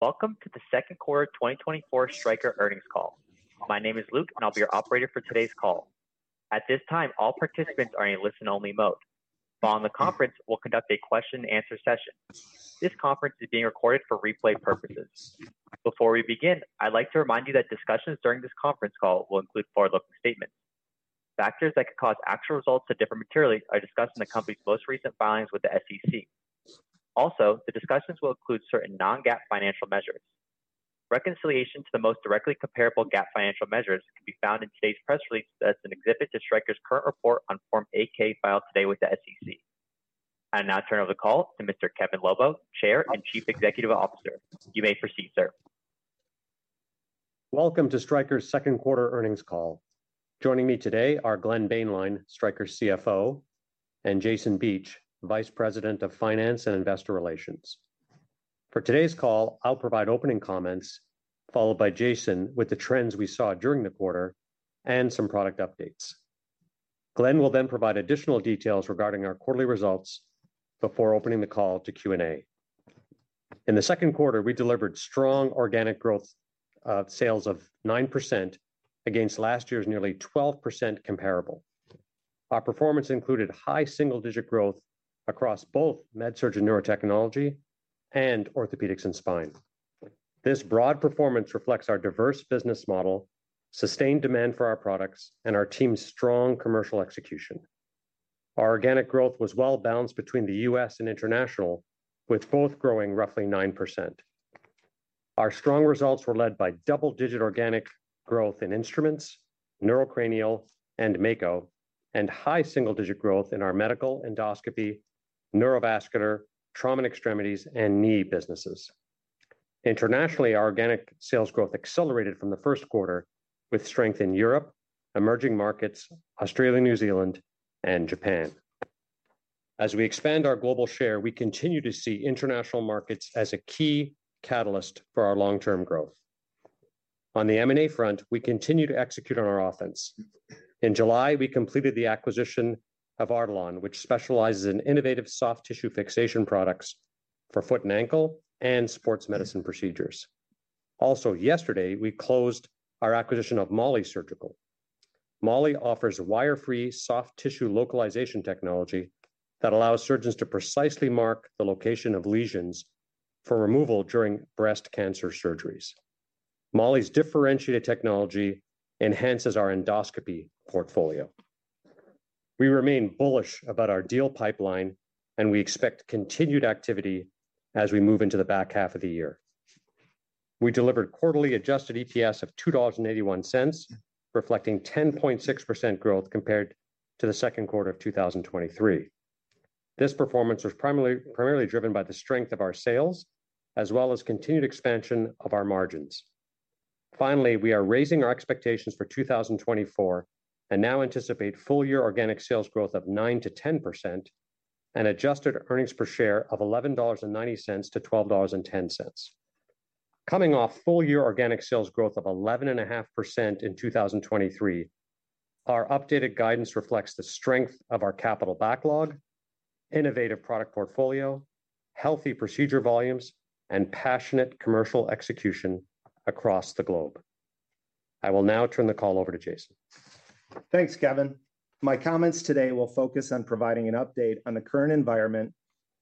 Welcome to the second quarter 2024 Stryker earnings call. My name is Luke, and I'll be your operator for today's call. At this time, all participants are in listen-only mode. While on the conference, we'll conduct a question-and-answer session. This conference is being recorded for replay purposes. Before we begin, I'd like to remind you that discussions during this conference call will include forward-looking statements. Factors that could cause actual results to differ materially are discussed in the company's most recent filings with the SEC. Also, the discussions will include certain non-GAAP financial measures. Reconciliation to the most directly comparable GAAP financial measures can be found in today's press release that's an exhibit to Stryker's current report on Form 8-K filed today with the SEC. I now turn over the call to Mr. Kevin Lobo, Chair and Chief Executive Officer. You may proceed, sir. Welcome to Stryker's second quarter earnings call. Joining me today are Glenn Boehnlein, Stryker CFO, and Jason Beach, Vice President of Finance and Investor Relations. For today's call, I'll provide opening comments, followed by Jason with the trends we saw during the quarter and some product updates. Glenn will then provide additional details regarding our quarterly results before opening the call to Q&A. In the second quarter, we delivered strong organic growth sales of 9% against last year's nearly 12% comparable. Our performance included high single-digit growth across both MedSurg and Neurotechnology and Orthopedics and Spine. This broad performance reflects our diverse business model, sustained demand for our products, and our team's strong commercial execution. Our organic growth was well balanced between the U.S. and international, with both growing roughly 9%. Our strong results were led by double-digit organic growth in Instruments, Neurocranial, and Mako, and high single-digit growth in our Medical, Endoscopy, Neurovascular, Trauma and Extremities, and knee businesses. Internationally, our organic sales growth accelerated from the first quarter, with strength in Europe, emerging markets, Australia, New Zealand, and Japan. As we expand our global share, we continue to see international markets as a key catalyst for our long-term growth. On the M&A front, we continue to execute on our offense. In July, we completed the acquisition of Artelon, which specializes in innovative soft tissue fixation products for Foot and Ankle and Sports Medicine procedures. Also, yesterday, we closed our acquisition of MOLLI Surgical. MOLLI offers wire-free soft tissue localization technology that allows surgeons to precisely mark the location of lesions for removal during breast cancer surgeries. MOLLI's differentiated technology enhances our Endoscopy portfolio. We remain bullish about our deal pipeline, and we expect continued activity as we move into the back half of the year. We delivered quarterly Adjusted EPS of $2.81, reflecting 10.6% growth compared to the second quarter of 2023. This performance was primarily driven by the strength of our sales, as well as continued expansion of our margins. Finally, we are raising our expectations for 2024 and now anticipate full-year organic sales growth of 9%-10% and Adjusted earnings per share of $11.90-$12.10. Coming off full-year organic sales growth of 11.5% in 2023, our updated guidance reflects the strength of our capital backlog, innovative product portfolio, healthy procedure volumes, and passionate commercial execution across the globe. I will now turn the call over to Jason. Thanks, Kevin. My comments today will focus on providing an update on the current environment,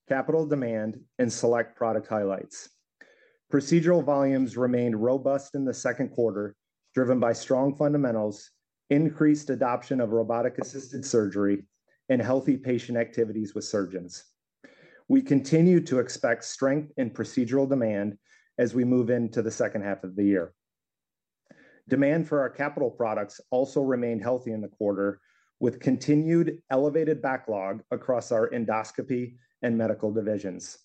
capital demand, and select product highlights. Procedural volumes remained robust in the second quarter, driven by strong fundamentals, increased adoption of robotic-assisted surgery, and healthy patient activities with surgeons. We continue to expect strength in procedural demand as we move into the second half of the year. Demand for our capital products also remained healthy in the quarter, with continued elevated backlog across our Endoscopy and medical divisions.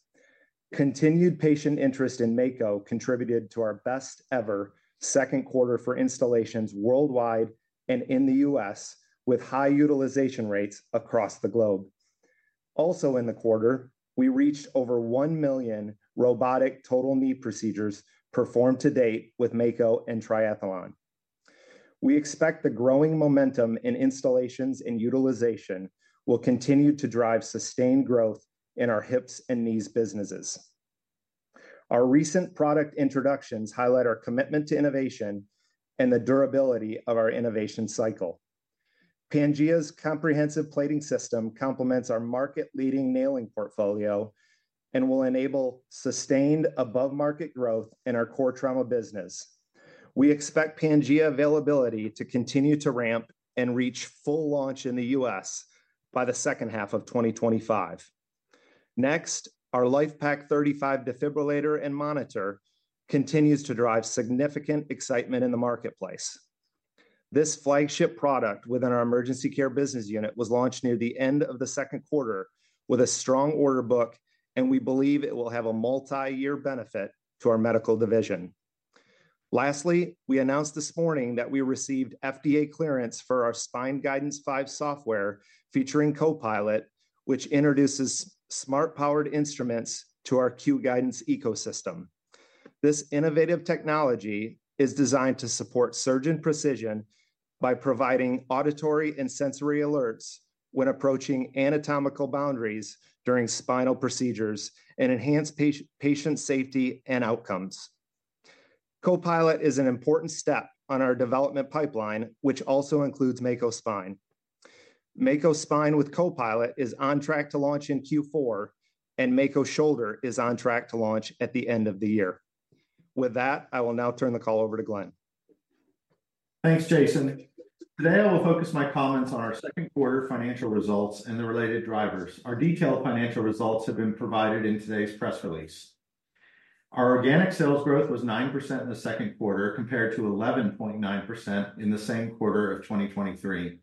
Continued patient interest in Mako contributed to our best-ever second quarter for installations worldwide and in the U.S., with high utilization rates across the globe. Also, in the quarter, we reached over 1 million robotic total knee procedures performed to date with Mako and Triathlon. We expect the growing momentum in installations and utilization will continue to drive sustained growth in our hips and knees businesses. Our recent product introductions highlight our commitment to innovation and the durability of our innovation cycle. Pangea's comprehensive plating system complements our market-leading nailing portfolio and will enable sustained above-market growth in our core trauma business. We expect Pangea availability to continue to ramp and reach full launch in the U.S. by the second half of 2025. Next, our LIFEPAK 35 defibrillator and monitor continues to drive significant excitement in the marketplace. This flagship product within our Emergency Care business unit was launched near the end of the second quarter with a strong order book, and we believe it will have a multi-year benefit to our medical division. Lastly, we announced this morning that we received FDA clearance for our Spine Guidance 5 software featuring Copilot, which introduces smart-powered instruments to our Q Guidance ecosystem. This innovative technology is designed to support surgeon precision by providing auditory and sensory alerts when approaching anatomical boundaries during spinal procedures and enhance patient safety and outcomes. Copilot is an important step on our development pipeline, which also includes Mako Spine. Mako Spine with Copilot is on track to launch in Q4, and Mako Shoulder is on track to launch at the end of the year. With that, I will now turn the call over to Glenn. Thanks, Jason. Today, I will focus my comments on our second quarter financial results and the related drivers. Our detailed financial results have been provided in today's press release. Our organic sales growth was 9% in the second quarter compared to 11.9% in the same quarter of 2023.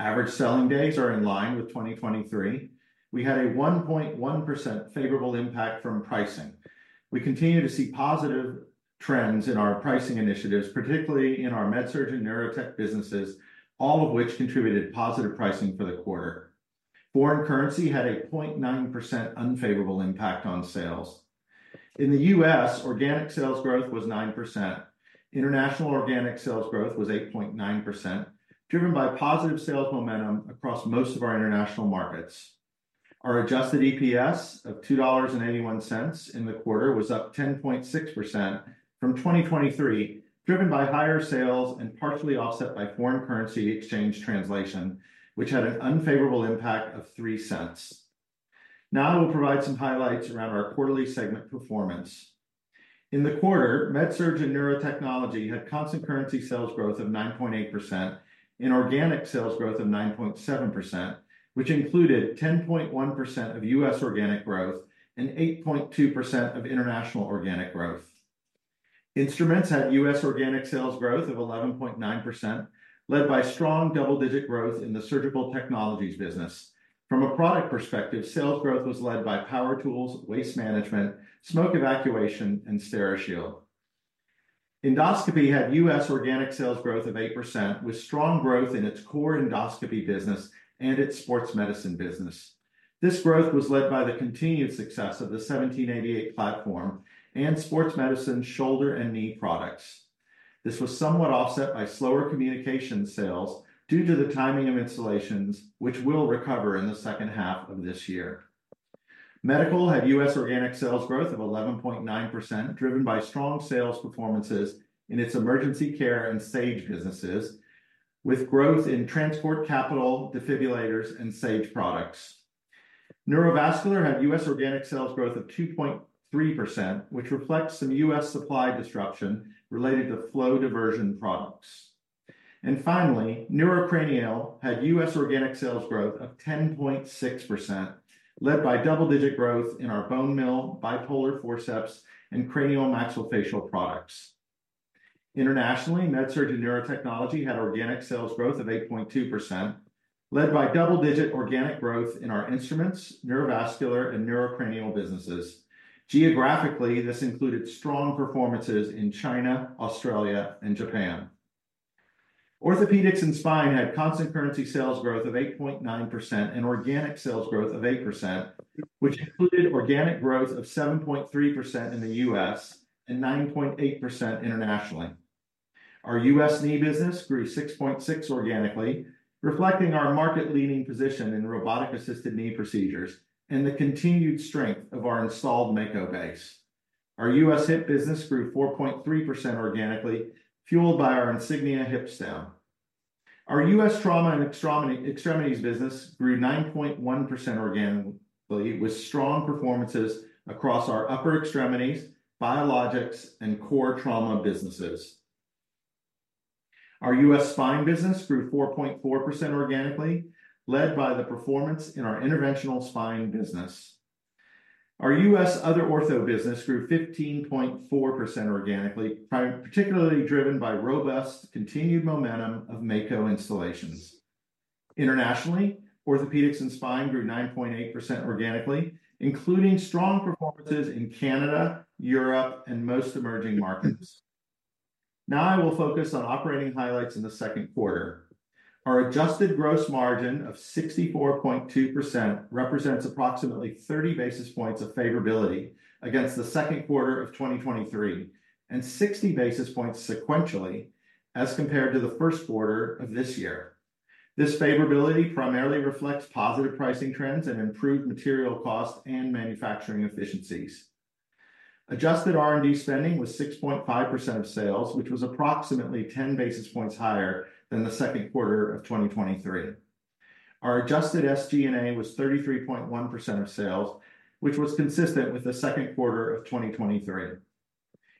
Average selling days are in line with 2023. We had a 1.1% favorable impact from pricing. We continue to see positive trends in our pricing initiatives, particularly in our MedSurg and Neurotechnology businesses, all of which contributed positive pricing for the quarter. Foreign currency had a 0.9% unfavorable impact on sales. In the U.S., organic sales growth was 9%. International organic sales growth was 8.9%, driven by positive sales momentum across most of our international markets. Our adjusted EPS of $2.81 in the quarter was up 10.6% from 2023, driven by higher sales and partially offset by foreign currency exchange translation, which had an unfavorable impact of $0.03. Now I will provide some highlights around our quarterly segment performance. In the quarter, MedSurg and Neurotechnology had constant currency sales growth of 9.8% and organic sales growth of 9.7%, which included 10.1% of U.S. organic growth and 8.2% of international organic growth. Instruments had U.S. organic sales growth of 11.9%, led by strong double-digit growth in the Surgical Technologies business. From a product perspective, sales growth was led by power tools, waste management, smoke evacuation, and Steri-Shield. Endoscopy had U.S. organic sales growth of 8%, with strong growth in its core endoscopy business and its sports medicine business. This growth was led by the continued success of the 1788 platform and sports medicine shoulder and knee products. This was somewhat offset by slower communication sales due to the timing of installations, which will recover in the second half of this year. Medical had U.S. organic sales growth of 11.9%, driven by strong sales performances in its Emergency Care and Sage businesses, with growth in transport capital, defibrillators, and Sage products. Neurovascular had U.S. organic sales growth of 2.3%, which reflects some U.S. supply disruption related to flow diverter products. And finally, Neurocranial had U.S. organic sales growth of 10.6%, led by double-digit growth in our Bone Mill, Bipolar Forceps, and Cranial Maxillofacial products. Internationally, MedSurg and Neurotechnology had organic sales growth of 8.2%, led by double-digit organic growth in our instruments, Neurovascular, and Neurocranial businesses. Geographically, this included strong performances in China, Australia, and Japan. Orthopaedics and Spine had constant currency sales growth of 8.9% and organic sales growth of 8%, which included organic growth of 7.3% in the U.S. and 9.8% internationally. Our U.S. knee business grew 6.6% organically, reflecting our market-leading position in robotic-assisted knee procedures and the continued strength of our installed Mako base. Our U.S. hip business grew 4.3% organically, fueled by our Insignia hip stem. Our U.S. trauma and extremities business grew 9.1% organically, with strong performances across our upper extremities, biologics, and core trauma businesses. Our U.S. Spine business grew 4.4% organically, led by the performance in our Interventional Spine business. Our U.S. other ortho business grew 15.4% organically, particularly driven by robust continued momentum of Mako installations. Internationally, Orthopaedics and Spine grew 9.8% organically, including strong performances in Canada, Europe, and most emerging markets. Now I will focus on operating highlights in the second quarter. Our adjusted gross margin of 64.2% represents approximately 30 basis points of favorability against the second quarter of 2023 and 60 basis points sequentially as compared to the first quarter of this year. This favorability primarily reflects positive pricing trends and improved material cost and manufacturing efficiencies. Adjusted R&D spending was 6.5% of sales, which was approximately 10 basis points higher than the second quarter of 2023. Our adjusted SG&A was 33.1% of sales, which was consistent with the second quarter of 2023.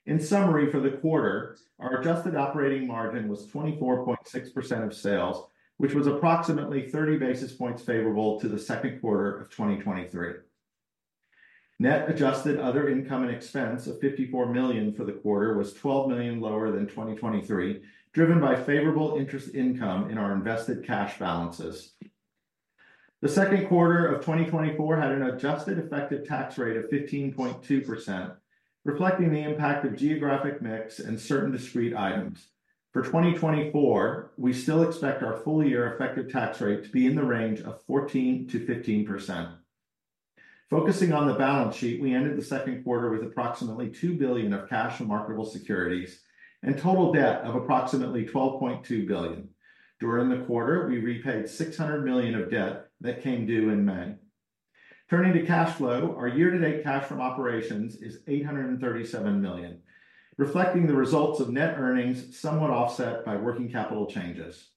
In summary, for the quarter, our adjusted operating margin was 24.6% of sales, which was approximately 30 basis points favorable to the second quarter of 2023. Net adjusted other income and expense of $54 million for the quarter was $12 million lower than 2023, driven by favorable interest income in our invested cash balances. The second quarter of 2024 had an adjusted effective tax rate of 15.2%, reflecting the impact of geographic mix and certain discrete items. For 2024, we still expect our full-year effective tax rate to be in the range of 14%-15%. Focusing on the balance sheet, we ended the second quarter with approximately $2 billion of cash and marketable securities and total debt of approximately $12.2 billion. During the quarter, we repaid $600 million of debt that came due in May. Turning to cash flow, our year-to-date cash from operations is $837 million, reflecting the results of net earnings somewhat offset by working capital changes.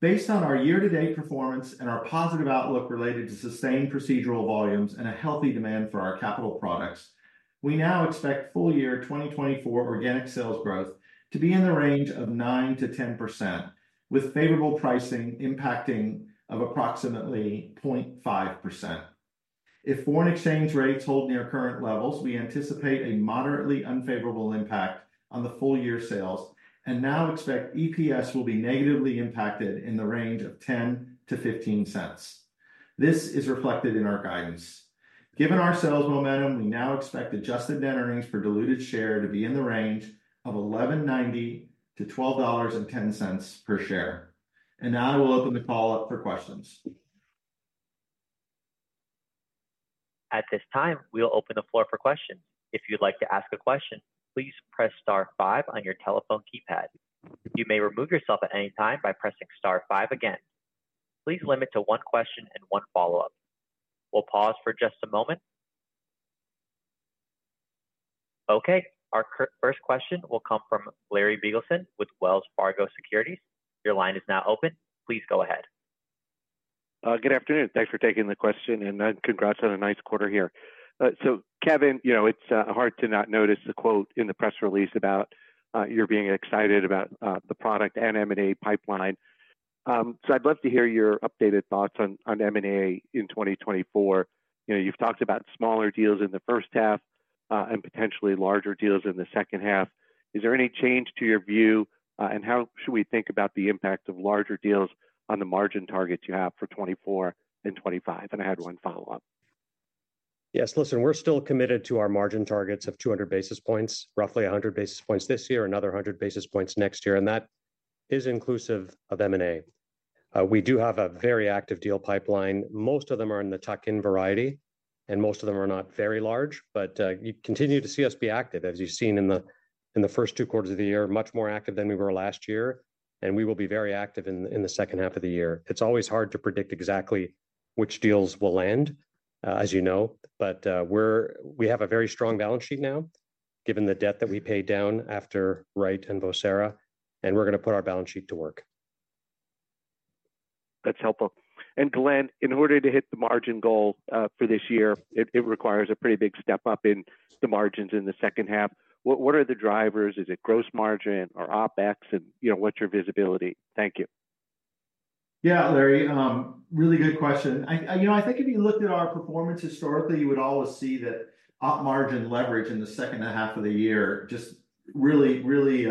Based on our year-to-date performance and our positive outlook related to sustained procedural volumes and a healthy demand for our capital products, we now expect full-year 2024 organic sales growth to be in the range of 9%-10%, with favorable pricing impact of approximately 0.5%. If foreign exchange rates hold near current levels, we anticipate a moderately unfavorable impact on the full-year sales and now expect EPS will be negatively impacted in the range of $0.10-$0.15. This is reflected in our guidance. Given our sales momentum, we now expect adjusted net earnings per diluted share to be in the range of $11.90-$12.10 per share. Now I will open the call up for questions. At this time, we'll open the floor for questions. If you'd like to ask a question, please press star five on your telephone keypad. You may remove yourself at any time by pressing star five again. Please limit to one question and one follow-up. We'll pause for just a moment. Okay. Our first question will come from Larry Biegelsen with Wells Fargo Securities. Your line is now open. Please go ahead. Good afternoon. Thanks for taking the question and congrats on a nice quarter here. So, Kevin, you know it's hard to not notice the quote in the press release about you're being excited about the product and M&A pipeline. So I'd love to hear your updated thoughts on M&A in 2024. You've talked about smaller deals in the first half and potentially larger deals in the second half. Is there any change to your view, and how should we think about the impact of larger deals on the margin targets you have for 2024 and 2025? And I had one follow-up. Yes. Listen, we're still committed to our margin targets of 200 basis points, roughly 100 basis points this year, another 100 basis points next year, and that is inclusive of M&A. We do have a very active deal pipeline. Most of them are in the tuck-in variety, and most of them are not very large, but you continue to see us be active, as you've seen in the first two quarters of the year, much more active than we were last year, and we will be very active in the second half of the year. It's always hard to predict exactly which deals will land, as you know, but we have a very strong balance sheet now, given the debt that we paid down after Wright and Vocera, and we're going to put our balance sheet to work. That's helpful. And Glenn, in order to hit the margin goal for this year, it requires a pretty big step up in the margins in the second half. What are the drivers? Is it gross margin or OpEx, and what's your visibility? Thank you. Yeah, Larry, really good question. You know, I think if you looked at our performance historically, you would always see that OP margin leverage in the second half of the year just really, really,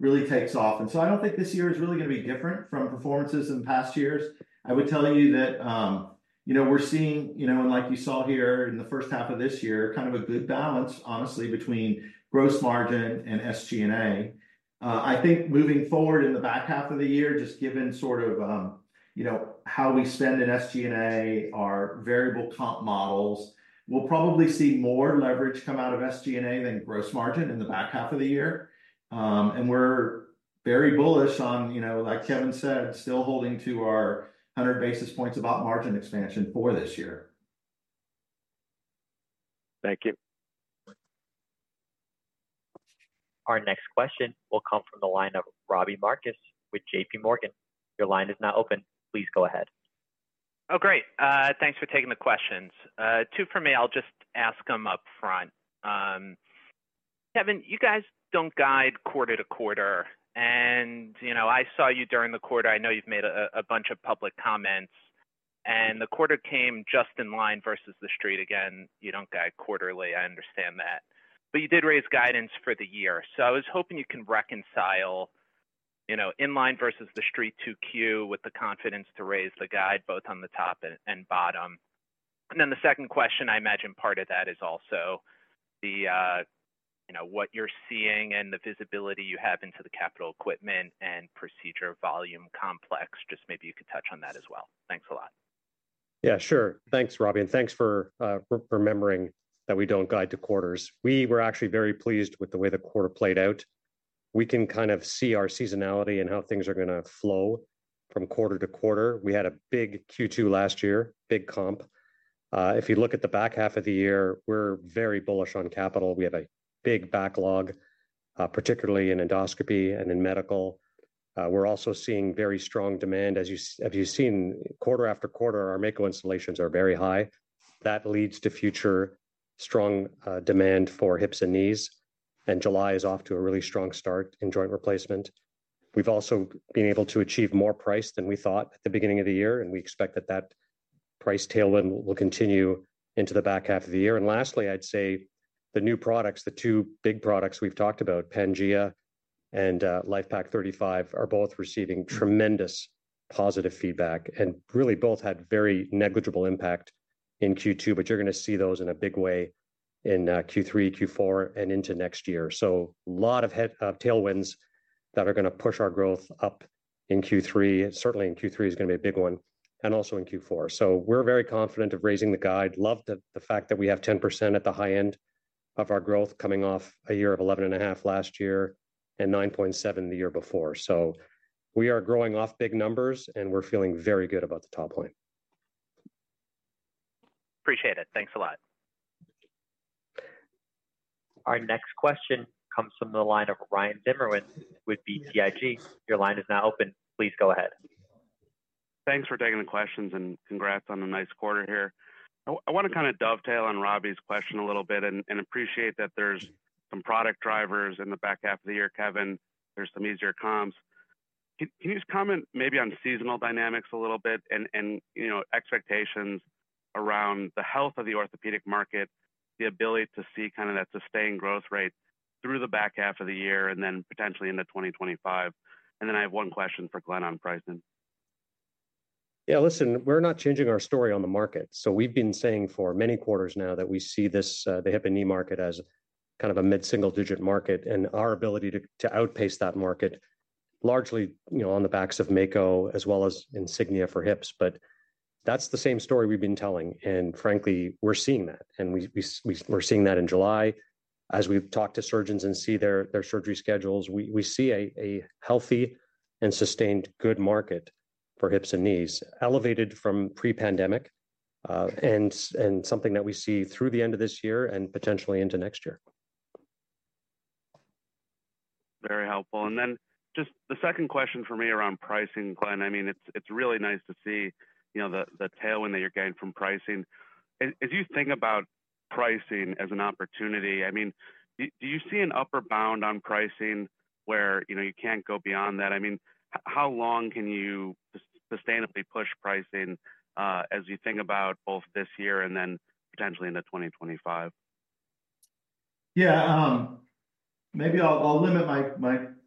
really takes off. And so I don't think this year is really going to be different from performances in past years. I would tell you that you know we're seeing, you know, and like you saw here in the first half of this year, kind of a good balance, honestly, between gross margin and SG&A. I think moving forward in the back half of the year, just given sort of you know how we spend in SG&A, our variable comp models, we'll probably see more leverage come out of SG&A than gross margin in the back half of the year. We're very bullish on, you know, like Kevin said, still holding to our 100 basis points of OP margin expansion for this year. Thank you. Our next question will come from the line of Robbie Marcus with JPMorgan. Your line is now open. Please go ahead. Oh, great. Thanks for taking the questions. Two for me. I'll just ask them upfront. Kevin, you guys don't guide quarter to quarter. And you know I saw you during the quarter. I know you've made a bunch of public comments. And the quarter came just in line versus the street again. You don't guide quarterly. I understand that. But you did raise guidance for the year. So I was hoping you can reconcile in line versus the street 2Q with the confidence to raise the guide both on the top and bottom. And then the second question, I imagine part of that is also what you're seeing and the visibility you have into the capital equipment and procedure volume complex. Just maybe you could touch on that as well. Thanks a lot. Yeah, sure. Thanks, Robbie. And thanks for remembering that we don't guide to quarters. We were actually very pleased with the way the quarter played out. We can kind of see our seasonality and how things are going to flow from quarter to quarter. We had a big Q2 last year, big comp. If you look at the back half of the year, we're very bullish on capital. We have a big backlog, particularly in endoscopy and in medical. We're also seeing very strong demand. As you have seen, quarter after quarter, our Mako installations are very high. That leads to future strong demand for hips and knees. And July is off to a really strong start in joint replacement. We've also been able to achieve more price than we thought at the beginning of the year, and we expect that that price tailwind will continue into the back half of the year. And lastly, I'd say the new products, the two big products we've talked about, Pangea and LIFEPAK 35, are both receiving tremendous positive feedback and really both had very negligible impact in Q2, but you're going to see those in a big way in Q3, Q4, and into next year. So a lot of tailwinds that are going to push our growth up in Q3. Certainly, in Q3 is going to be a big one and also in Q4. So we're very confident of raising the guide. Love the fact that we have 10% at the high end of our growth coming off a year of 11.5% last year and 9.7% the year before. We are growing off big numbers, and we're feeling very good about the top line. Appreciate it. Thanks a lot. Our next question comes from the line of Ryan Zimmerman with BTIG. Your line is now open. Please go ahead. Thanks for taking the questions and congrats on a nice quarter here. I want to kind of dovetail on Robbie's question a little bit and appreciate that there's some product drivers in the back half of the year, Kevin. There's some easier comps. Can you just comment maybe on seasonal dynamics a little bit and expectations around the health of the orthopedic market, the ability to see kind of that sustained growth rate through the back half of the year and then potentially into 2025? And then I have one question for Glenn on pricing. Yeah, listen, we're not changing our story on the market. So we've been saying for many quarters now that we see the hip and knee market as kind of a mid-single-digit market and our ability to outpace that market largely on the backs of Mako as well as Insignia for hips. But that's the same story we've been telling. And frankly, we're seeing that. And we're seeing that in July. As we've talked to surgeons and see their surgery schedules, we see a healthy and sustained good market for hips and knees elevated from pre-pandemic and something that we see through the end of this year and potentially into next year. Very helpful. And then just the second question for me around pricing, Glenn, I mean, it's really nice to see the tailwind that you're getting from pricing. As you think about pricing as an opportunity, I mean, do you see an upper bound on pricing where you can't go beyond that? I mean, how long can you sustainably push pricing as you think about both this year and then potentially into 2025? Yeah, maybe I'll limit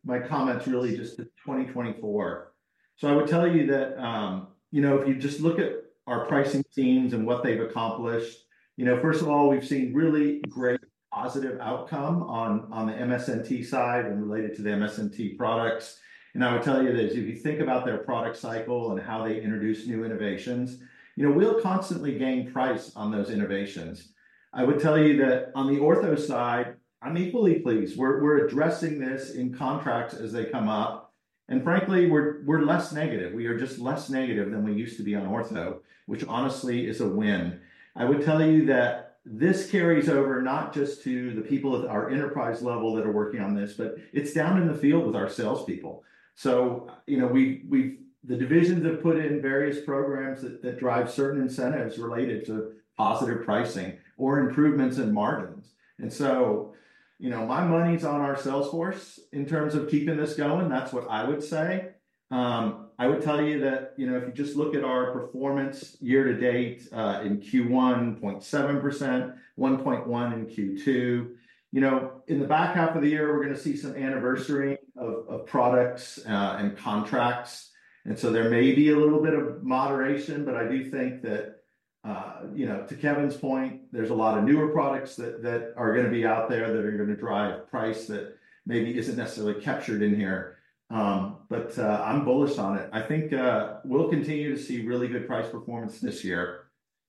my comments really just to 2024. So I would tell you that you know if you just look at our pricing teams and what they've accomplished, you know first of all, we've seen really great positive outcome on the MedSurg side and related to the MedSurg products. And I would tell you that if you think about their product cycle and how they introduce new innovations, you know we'll constantly gain price on those innovations. I would tell you that on the ortho side, I'm equally pleased. We're addressing this in contracts as they come up. And frankly, we're less negative. We are just less negative than we used to be on ortho which honestly is a win. I would tell you that this carries over not just to the people at our enterprise level that are working on this, but it's down in the field with our salespeople. So you know the divisions have put in various programs that drive certain incentives related to positive pricing or improvements in margins. And so you know my money's on our salesforce in terms of keeping this going. That's what I would say. I would tell you that you know if you just look at our performance year to date in Q1, 0.7%, 1.1% in Q2. You know in the back half of the year, we're going to see some anniversary of products and contracts. And so there may be a little bit of moderation, but I do think that you know to Kevin's point, there's a lot of newer products that are going to be out there that are going to drive price that maybe isn't necessarily captured in here. But I'm bullish on it. I think we'll continue to see really good price performance this year.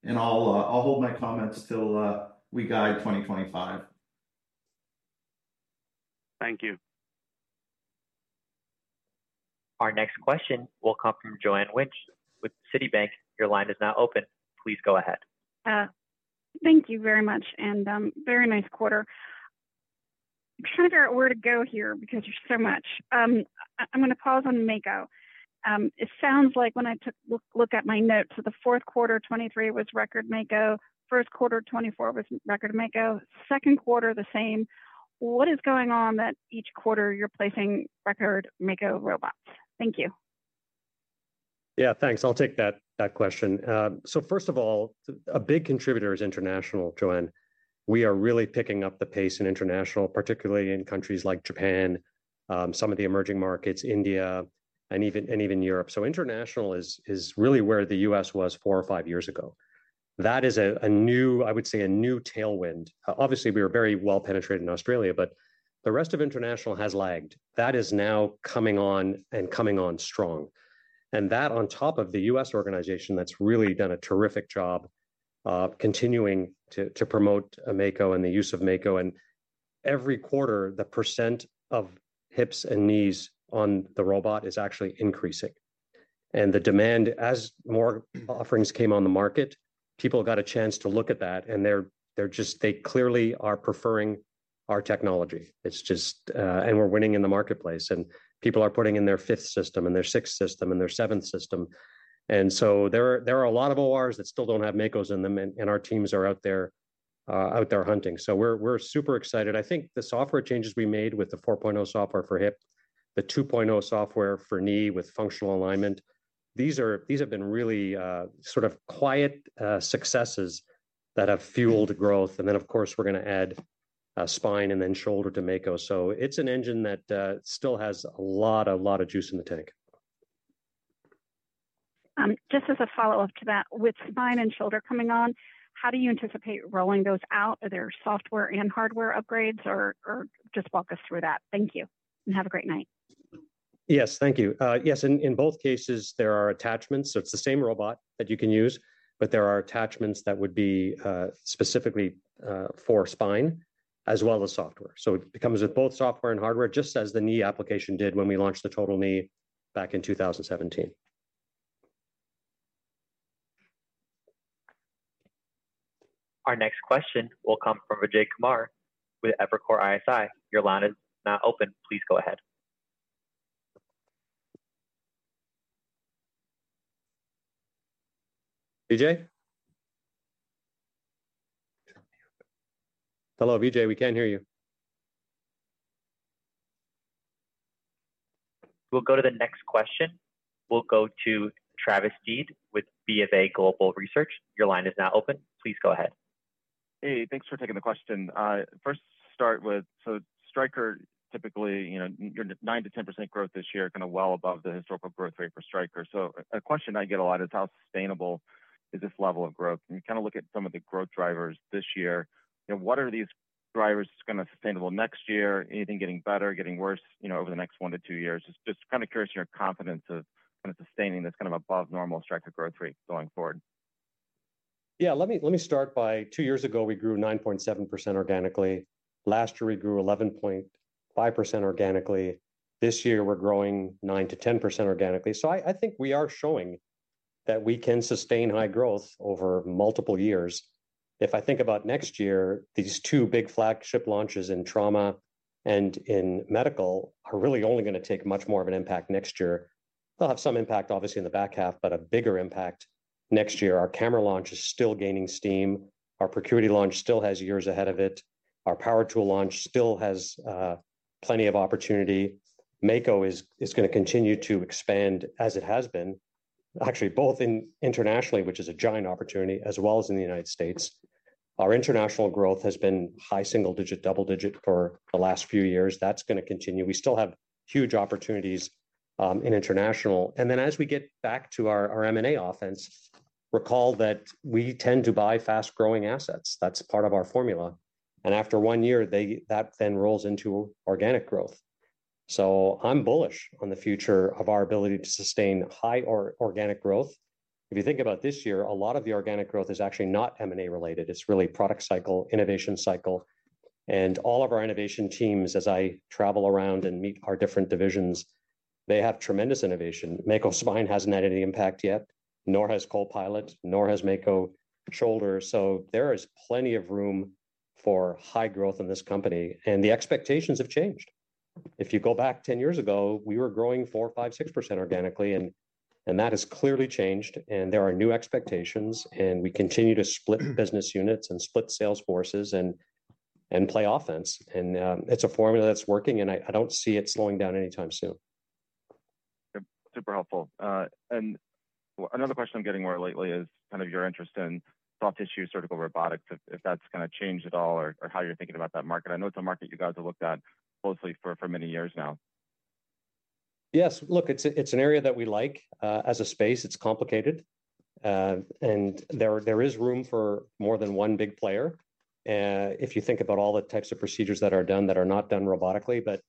And I'll hold my comments till we guide 2025. Thank you. Our next question will come from Joanne Wuensch with Citibank. Your line is now open. Please go ahead. Thank you very much. Very nice quarter. I'm trying to figure out where to go here because there's so much. I'm going to pause on Mako. It sounds like when I took a look at my notes, the fourth quarter 2023 was record Mako, first quarter 2024 was record Mako, second quarter the same. What is going on that each quarter you're placing record Mako robots? Thank you. Yeah, thanks. I'll take that question. So first of all, a big contributor is international, Joanne. We are really picking up the pace in international, particularly in countries like Japan, some of the emerging markets, India, and even Europe. So international is really where the U.S. was four or five years ago. That is a new, I would say, a new tailwind. Obviously, we were very well penetrated in Australia, but the rest of international has lagged. That is now coming on and coming on strong. And that on top of the U.S. organization that's really done a terrific job continuing to promote Mako and the use of Mako. And every quarter, the % of hips and knees on the robot is actually increasing. And the demand, as more offerings came on the market, people got a chance to look at that. And they're just, they clearly are preferring our technology. It's just, and we're winning in the marketplace. And people are putting in their fifth system and their sixth system and their seventh system. And so there are a lot of ORs that still don't have Mako systems in them, and our teams are out there hunting. So we're super excited. I think the software changes we made with the 4.0 software for hip, the 2.0 software for knee with functional alignment, these have been really sort of quiet successes that have fueled growth. And then, of course, we're going to add spine and then shoulder to Mako. So it's an engine that still has a lot of juice in the tank. Just as a follow-up to that, with spine and shoulder coming on, how do you anticipate rolling those out? Are there software and hardware upgrades, or just walk us through that? Thank you. And have a great night. Yes, thank you. Yes, in both cases, there are attachments. So it's the same robot that you can use, but there are attachments that would be specifically for spine as well as software. So it comes with both software and hardware, just as the knee application did when we launched the total knee back in 2017. Our next question will come from Vijay Kumar with Evercore ISI. Your line is now open. Please go ahead. Vijay? Hello, Vijay. We can't hear you. We'll go to the next question. We'll go to Travis Steed with BofA Global Research. Your line is now open. Please go ahead. Hey, thanks for taking the question. First, start with, so Stryker, typically, you know your 9%-10% growth this year is kind of well above the historical growth rate for Stryker. So a question I get a lot is, how sustainable is this level of growth? And we kind of look at some of the growth drivers this year. What are these drivers kind of sustainable next year? Anything getting better, getting worse over the next one to two years? Just kind of curious your confidence of kind of sustaining this kind of above-normal Stryker growth rate going forward. Yeah, let me start by two years ago, we grew 9.7% organically. Last year, we grew 11.5% organically. This year, we're growing 9%-10% organically. So I think we are showing that we can sustain high growth over multiple years. If I think about next year, these two big flagship launches in trauma and in MedSurg are really only going to take much more of an impact next year. They'll have some impact, obviously, in the back half, but a bigger impact next year. Our camera launch is still gaining steam. Our Procuity launch still has years ahead of it. Our power tool launch still has plenty of opportunity. Mako is going to continue to expand as it has been, actually both internationally, which is a giant opportunity, as well as in the United States. Our international growth has been high single-digit, double-digit for the last few years. That's going to continue. We still have huge opportunities in international. And then as we get back to our M&A offense, recall that we tend to buy fast-growing assets. That's part of our formula. And after one year, that then rolls into organic growth. So I'm bullish on the future of our ability to sustain high organic growth. If you think about this year, a lot of the organic growth is actually not M&A related. It's really product cycle, innovation cycle. And all of our innovation teams, as I travel around and meet our different divisions, they have tremendous innovation. Mako Spine hasn't had any impact yet, nor has Copilot, nor has Mako Shoulder. So there is plenty of room for high growth in this company. And the expectations have changed. If you go back 10 years ago, we were growing 4%, 5%, 6% organically. And that has clearly changed. There are new expectations. We continue to split business units and split salesforces and play offense. It's a formula that's working. I don't see it slowing down anytime soon. Super helpful. And another question I'm getting more lately is kind of your interest in soft tissue surgical robotics, if that's going to change at all or how you're thinking about that market? I know it's a market you guys have looked at closely for many years now. Yes, look, it's an area that we like as a space. It's complicated. And there is room for more than one big player if you think about all the types of procedures that are done that are not done robotically. But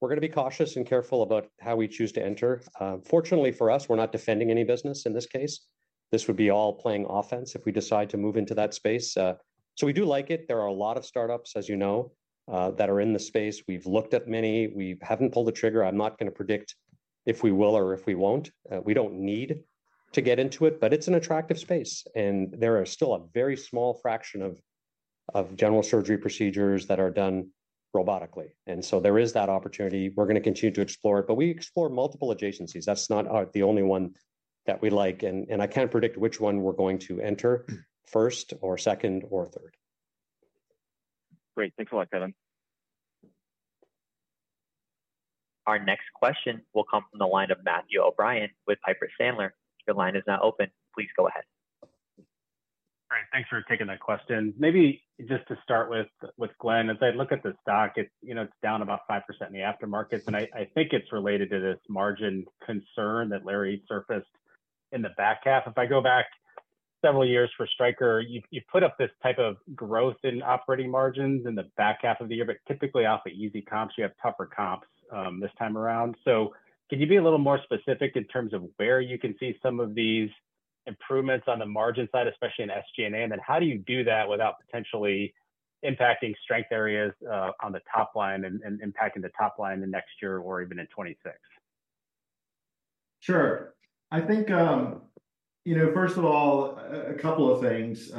we're going to be cautious and careful about how we choose to enter. Fortunately for us, we're not defending any business in this case. This would be all playing offense if we decide to move into that space. So we do like it. There are a lot of startups, as you know, that are in the space. We've looked at many. We haven't pulled the trigger. I'm not going to predict if we will or if we won't. We don't need to get into it. But it's an attractive space. And there are still a very small fraction of general surgery procedures that are done robotically. And so there is that opportunity. We're going to continue to explore it. But we explore multiple adjacencies. That's not the only one that we like. And I can't predict which one we're going to enter first or second or third. Great. Thanks a lot, Kevin. Our next question will come from the line of Matthew O'Brien with Piper Sandler. Your line is now open. Please go ahead. All right. Thanks for taking that question. Maybe just to start with, Glenn, as I look at the stock, it's down about 5% in the aftermarket. And I think it's related to this margin concern that Larry surfaced in the back half. If I go back several years for Stryker, you put up this type of growth in operating margins in the back half of the year. But typically, off of easy comps, you have tougher comps this time around. So can you be a little more specific in terms of where you can see some of these improvements on the margin side, especially in SG&A? And then how do you do that without potentially impacting strength areas on the top line and impacting the top line in next year or even in 2026? Sure. I think, you know, first of all, a couple of things.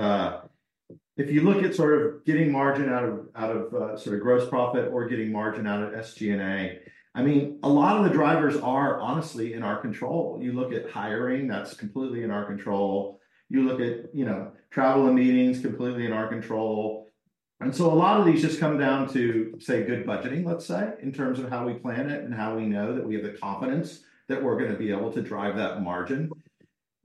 If you look at sort of getting margin out of sort of gross profit or getting margin out of SG&A, I mean, a lot of the drivers are honestly in our control. You look at hiring, that's completely in our control. You look at travel and meetings, completely in our control. And so a lot of these just come down to, say, good budgeting, let's say, in terms of how we plan it and how we know that we're going to be able to drive that margin.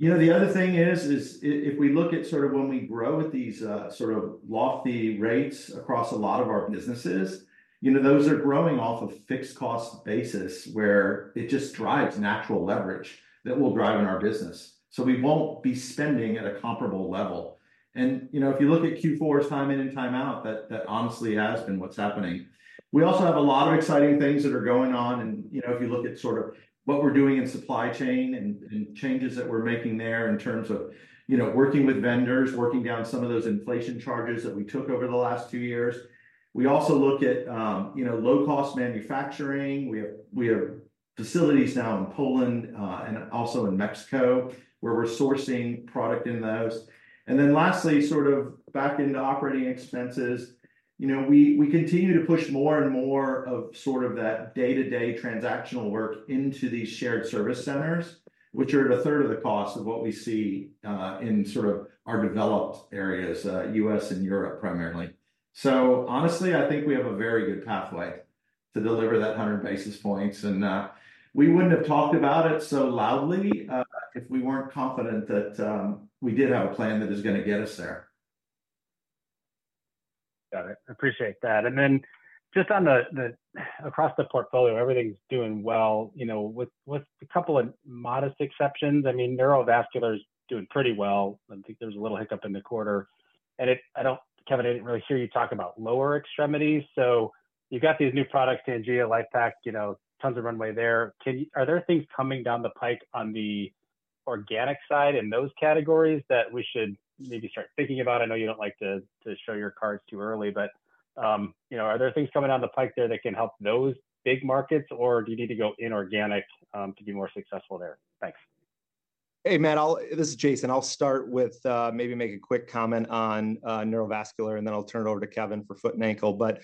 You know, the other thing is, if we look at sort of when we grow at these sort of lofty rates across a lot of our businesses, you know, those are growing off of fixed cost basis where it just drives natural leverage that will drive in our business. So we won't be spending at a comparable level. And you know, if you look at Q4's time in and time out, that honestly has been what's happening. We also have a lot of exciting things that are going on. And you know, if you look at sort of what we're doing in supply chain and changes that we're making there in terms of working with vendors, working down some of those inflation charges that we took over the last two years. We also look at low-cost manufacturing. We have facilities now in Poland and also in Mexico where we're sourcing product in those. And then lastly, sort of back into operating expenses, you know, we continue to push more and more of sort of that day-to-day transactional work into these shared service centers, which are at a third of the cost of what we see in sort of our developed areas, U.S. and Europe primarily. So honestly, I think we have a very good pathway to deliver that 100 basis points. And we wouldn't have talked about it so loudly if we weren't confident that we did have a plan that is going to get us there. Got it. Appreciate that. And then just across the portfolio, everything's doing well, you know, with a couple of modest exceptions. I mean, Neurovascular is doing pretty well. I think there's a little hiccup in the quarter. And I don't, Kevin, I didn't really hear you talk about lower extremities. So you've got these new products, Pangea, LIFEPAK, you know, tons of runway there. Are there things coming down the pike on the organic side in those categories that we should maybe start thinking about? I know you don't like to show your cards too early, but are there things coming down the pike there that can help those big markets, or do you need to go inorganic to be more successful there? Thanks. Hey, Matt, this is Jason. I'll start with maybe make a quick comment on Neurovascular, and then I'll turn it over to Kevin for foot and ankle. But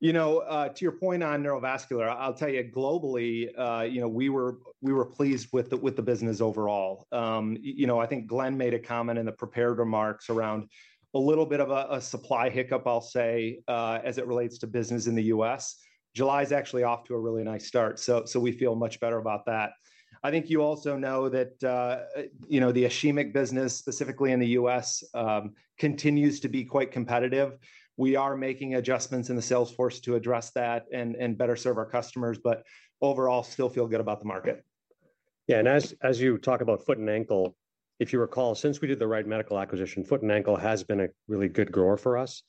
you know, to your point on Neurovascular, I'll tell you globally, you know, we were pleased with the business overall. You know, I think Glenn made a comment in the prepared remarks around a little bit of a supply hiccup, I'll say, as it relates to business in the U.S. July is actually off to a really nice start. So we feel much better about that. I think you also know that the ischemic business, specifically in the U.S., continues to be quite competitive. We are making adjustments in the sales force to address that and better serve our customers, but overall, still feel good about the market. Yeah. And as you talk about foot and ankle, if you recall, since we did the Wright Medical acquisition, foot and ankle has been a really good grower for us,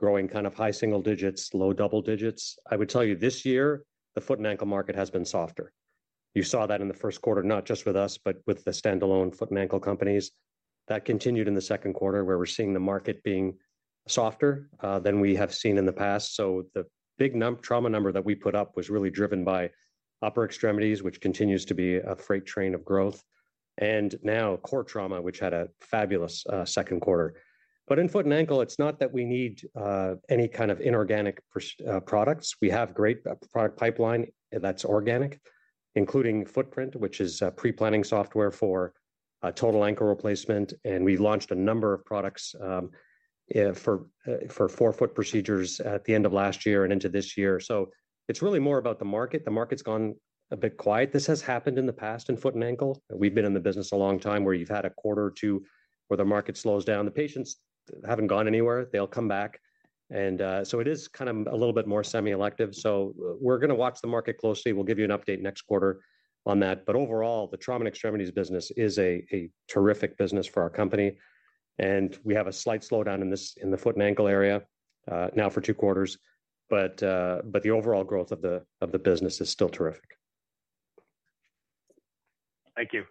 growing kind of high single digits, low double digits. I would tell you this year, the foot and ankle market has been softer. You saw that in the first quarter, not just with us, but with the standalone foot and ankle companies. That continued in the second quarter where we're seeing the market being softer than we have seen in the past. So the big trauma number that we put up was really driven by upper extremities, which continues to be a freight train of growth. And now core trauma, which had a fabulous second quarter. But in foot and ankle, it's not that we need any kind of inorganic products. We have a great product pipeline that's organic, including Footprint, which is pre-planning software for total ankle replacement. We launched a number of products for forefoot procedures at the end of last year and into this year. It's really more about the market. The market's gone a bit quiet. This has happened in the past in foot and ankle. We've been in the business a long time where you've had a quarter or two where the market slows down. The patients haven't gone anywhere. They'll come back. It is kind of a little bit more semi-elective. We're going to watch the market closely. We'll give you an update next quarter on that. Overall, the trauma and extremities business is a terrific business for our company. We have a slight slowdown in the foot and ankle area now for two quarters. But the overall growth of the business is still terrific. Thank you.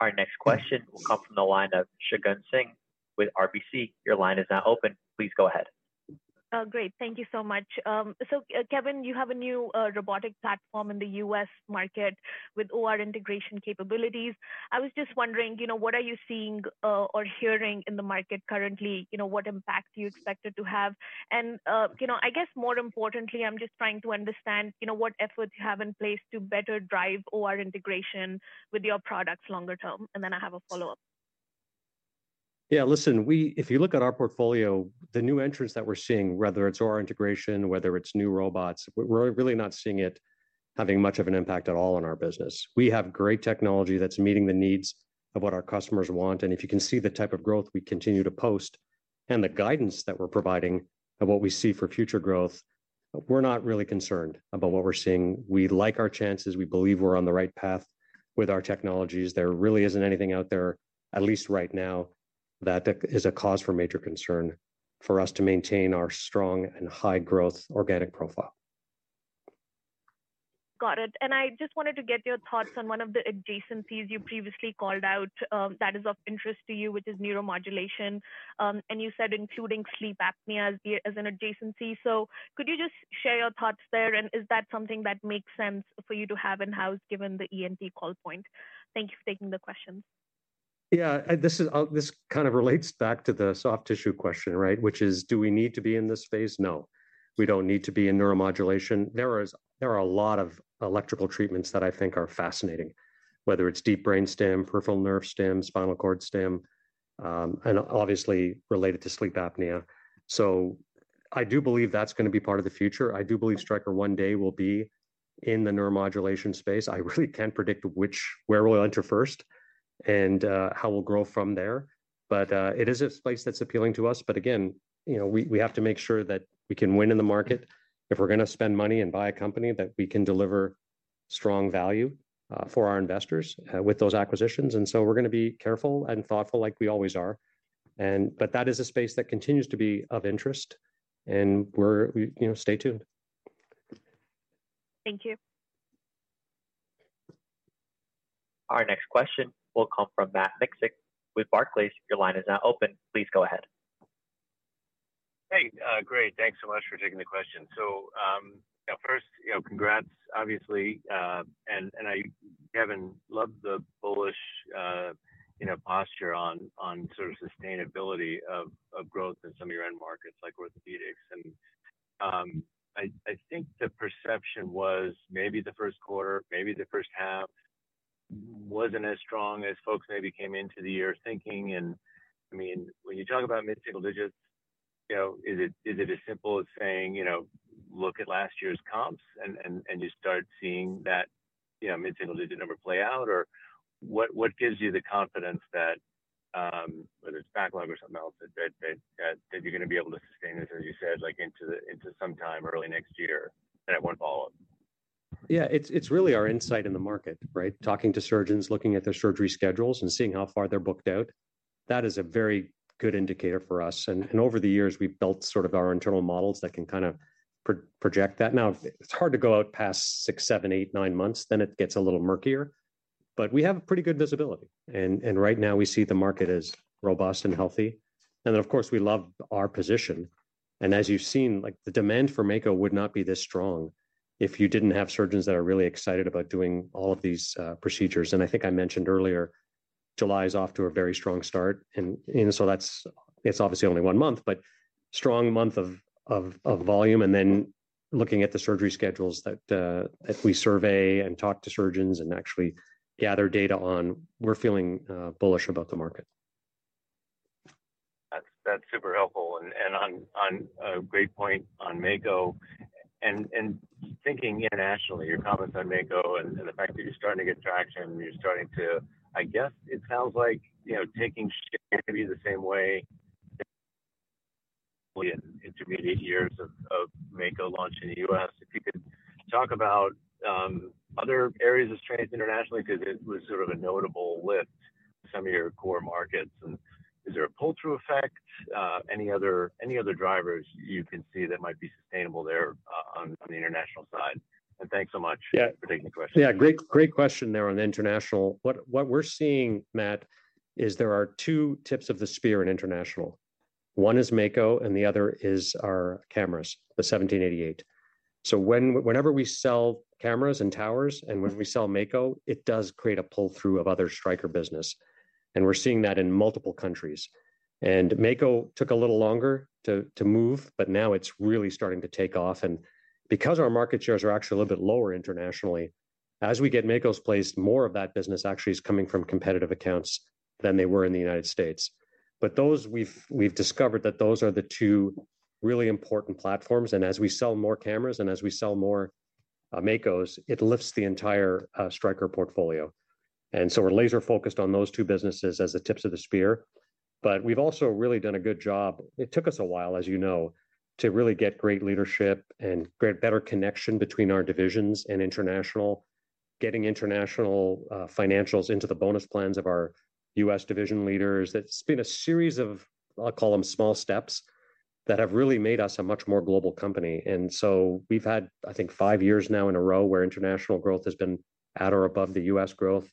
Our next question will come from the line of Shagun Singh with RBC. Your line is now open. Please go ahead. Great. Thank you so much. So Kevin, you have a new robotic platform in the U.S. market with OR integration capabilities. I was just wondering, you know, what are you seeing or hearing in the market currently? You know, what impact do you expect it to have? And you know, I guess more importantly, I'm just trying to understand, you know, what efforts you have in place to better drive OR integration with your products longer term. And then I have a follow-up. Yeah, listen, if you look at our portfolio, the new entrants that we're seeing, whether it's OR integration, whether it's new robots, we're really not seeing it having much of an impact at all on our business. We have great technology that's meeting the needs of what our customers want. And if you can see the type of growth we continue to post and the guidance that we're providing and what we see for future growth, we're not really concerned about what we're seeing. We like our chances. We believe we're on the right path with our technologies. There really isn't anything out there, at least right now, that is a cause for major concern for us to maintain our strong and high growth organic profile. Got it. And I just wanted to get your thoughts on one of the adjacencies you previously called out that is of interest to you, which is neuromodulation. And you said including sleep apnea as an adjacency. So could you just share your thoughts there? And is that something that makes sense for you to have in-house given the ENT call point? Thank you for taking the questions. Yeah, this kind of relates back to the soft tissue question, right, which is, do we need to be in this space? No, we don't need to be in neuromodulation. There are a lot of electrical treatments that I think are fascinating, whether it's deep brain stimulation, peripheral nerve stimulation, spinal cord stimulation, and obviously related to sleep apnea. So I do believe that's going to be part of the future. I do believe Stryker one day will be in the neuromodulation space. I really can't predict where we'll enter first and how we'll grow from there. But it is a space that's appealing to us. But again, you know, we have to make sure that we can win in the market. If we're going to spend money and buy a company that we can deliver strong value for our investors with those acquisitions. And so we're going to be careful and thoughtful like we always are. But that is a space that continues to be of interest. And we're, you know, stay tuned. Thank you. Our next question will come from Matt Miksic with Barclays. Your line is now open. Please go ahead. Hey, great. Thanks so much for taking the question. So first, you know, congrats, obviously. And I, Kevin, love the bullish posture on sort of sustainability of growth in some of your end markets like Orthopaedics. And I think the perception was maybe the first quarter, maybe the first half wasn't as strong as folks maybe came into the year thinking. And I mean, when you talk about mid-single digits, you know, is it as simple as saying, you know, look at last year's comps and you start seeing that mid-single digit number play out? Or what gives you the confidence that whether it's backlog or something else, that you're going to be able to sustain this, as you said, like into sometime early next year and it won't follow up? Yeah, it's really our insight in the market, right? Talking to surgeons, looking at their surgery schedules and seeing how far they're booked out, that is a very good indicator for us. And over the years, we've built sort of our internal models that can kind of project that. Now, it's hard to go out past six, seven, eight, nine months, then it gets a little murkier. But we have pretty good visibility. And right now, we see the market as robust and healthy. And then, of course, we love our position. And as you've seen, like the demand for Mako would not be this strong if you didn't have surgeons that are really excited about doing all of these procedures. And I think I mentioned earlier, July is off to a very strong start. And so that's obviously only one month, but strong month of volume. And then looking at the surgery schedules that we survey and talk to surgeons and actually gather data on, we're feeling bullish about the market. That's super helpful. And on a great point on Mako, and thinking internationally, your comments on Mako and the fact that you're starting to get traction, you're starting to, I guess it sounds like, you know, taking share maybe the same way in intermediate years of Mako launch in the U.S. If you could talk about other areas of strength internationally, because it was sort of a notable lift to some of your core markets. And is there a pull-through effect? Any other drivers you can see that might be sustainable there on the international side? And thanks so much for taking the question. Yeah, great question there on the international. What we're seeing, Matt, is there are two tips of the spear in international. One is Mako and the other is our cameras, the 1788. So whenever we sell cameras and towers and when we sell Mako, it does create a pull-through of other Stryker business. And we're seeing that in multiple countries. And Mako took a little longer to move, but now it's really starting to take off. And because our market shares are actually a little bit lower internationally, as we get Makos placed, more of that business actually is coming from competitive accounts than they were in the United States. But those we've discovered that those are the two really important platforms. And as we sell more cameras and as we sell more Makos, it lifts the entire Stryker portfolio. And so we're laser-focused on those two businesses as the tips of the spear. But we've also really done a good job. It took us a while, as you know, to really get great leadership and better connection between our divisions and international, getting international financials into the bonus plans of our U.S. division leaders. It's been a series of, I'll call them small steps that have really made us a much more global company. And so we've had, I think, five years now in a row where international growth has been at or above the U.S. growth.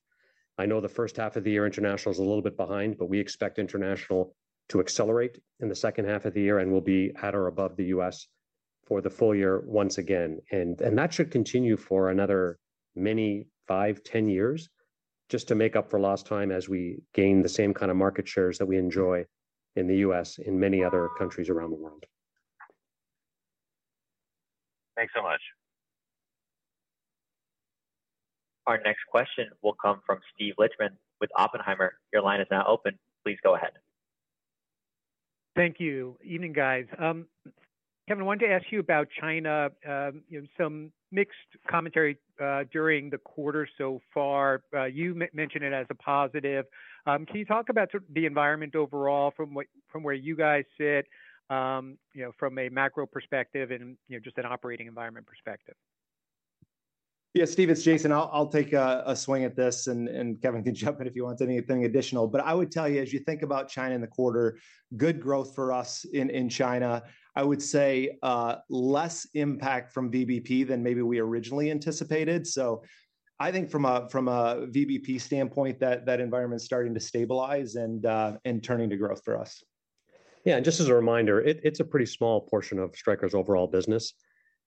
I know the first half of the year international is a little bit behind, but we expect international to accelerate in the second half of the year and will be at or above the U.S. for the full year once again. That should continue for another many five, 10 years just to make up for lost time as we gain the same kind of market shares that we enjoy in the U.S. in many other countries around the world. Thanks so much. Our next question will come from Steve Lichtman with Oppenheimer. Your line is now open. Please go ahead. Thank you. Evening, guys. Kevin, I wanted to ask you about China, some mixed commentary during the quarter so far. You mentioned it as a positive. Can you talk about the environment overall from where you guys sit, you know, from a macro perspective and just an operating environment perspective? Yeah, Steve, it's Jason. I'll take a swing at this. And Kevin can jump in if you want anything additional. But I would tell you, as you think about China in the quarter, good growth for us in China. I would say less impact from VBP than maybe we originally anticipated. So I think from a VBP standpoint, that environment is starting to stabilize and turning to growth for us. Yeah. And just as a reminder, it's a pretty small portion of Stryker's overall business.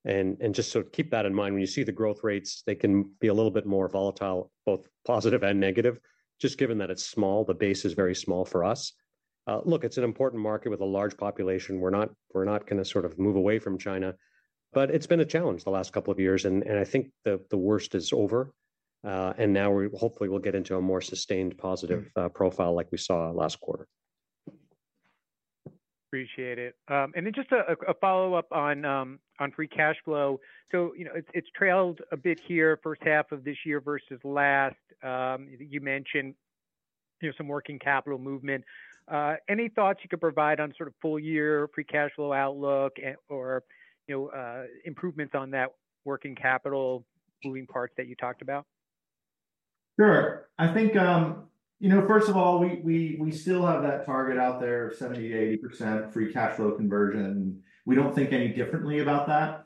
And just to keep that in mind, when you see the growth rates, they can be a little bit more volatile, both positive and negative, just given that it's small, the base is very small for us. Look, it's an important market with a large population. We're not going to sort of move away from China. It's been a challenge the last couple of years. I think the worst is over. Now hopefully we'll get into a more sustained positive profile like we saw last quarter. Appreciate it. And then just a follow-up on free cash flow. So it's trailed a bit here first half of this year versus last. You mentioned some working capital movement. Any thoughts you could provide on sort of full year free cash flow outlook or improvements on that working capital moving parts that you talked about? Sure. I think, you know, first of all, we still have that target out there of 70%-80% free cash flow conversion. We don't think any differently about that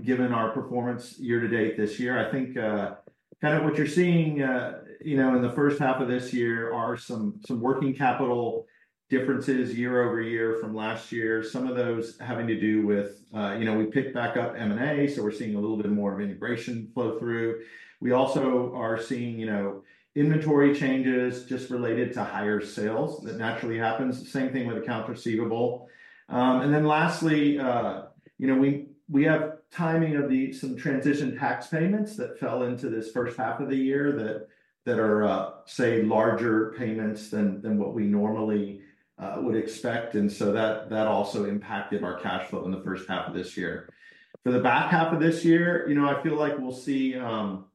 given our performance year to date this year. I think kind of what you're seeing, you know, in the first half of this year are some working capital differences year over year from last year. Some of those having to do with, you know, we picked back up M&A, so we're seeing a little bit more of integration flow through. We also are seeing, you know, inventory changes just related to higher sales that naturally happens. Same thing with accounts receivable. And then lastly, you know, we have timing of some transition tax payments that fell into this first half of the year that are, say, larger payments than what we normally would expect. And so that also impacted our cash flow in the first half of this year. For the back half of this year, you know, I feel like we'll see, you know,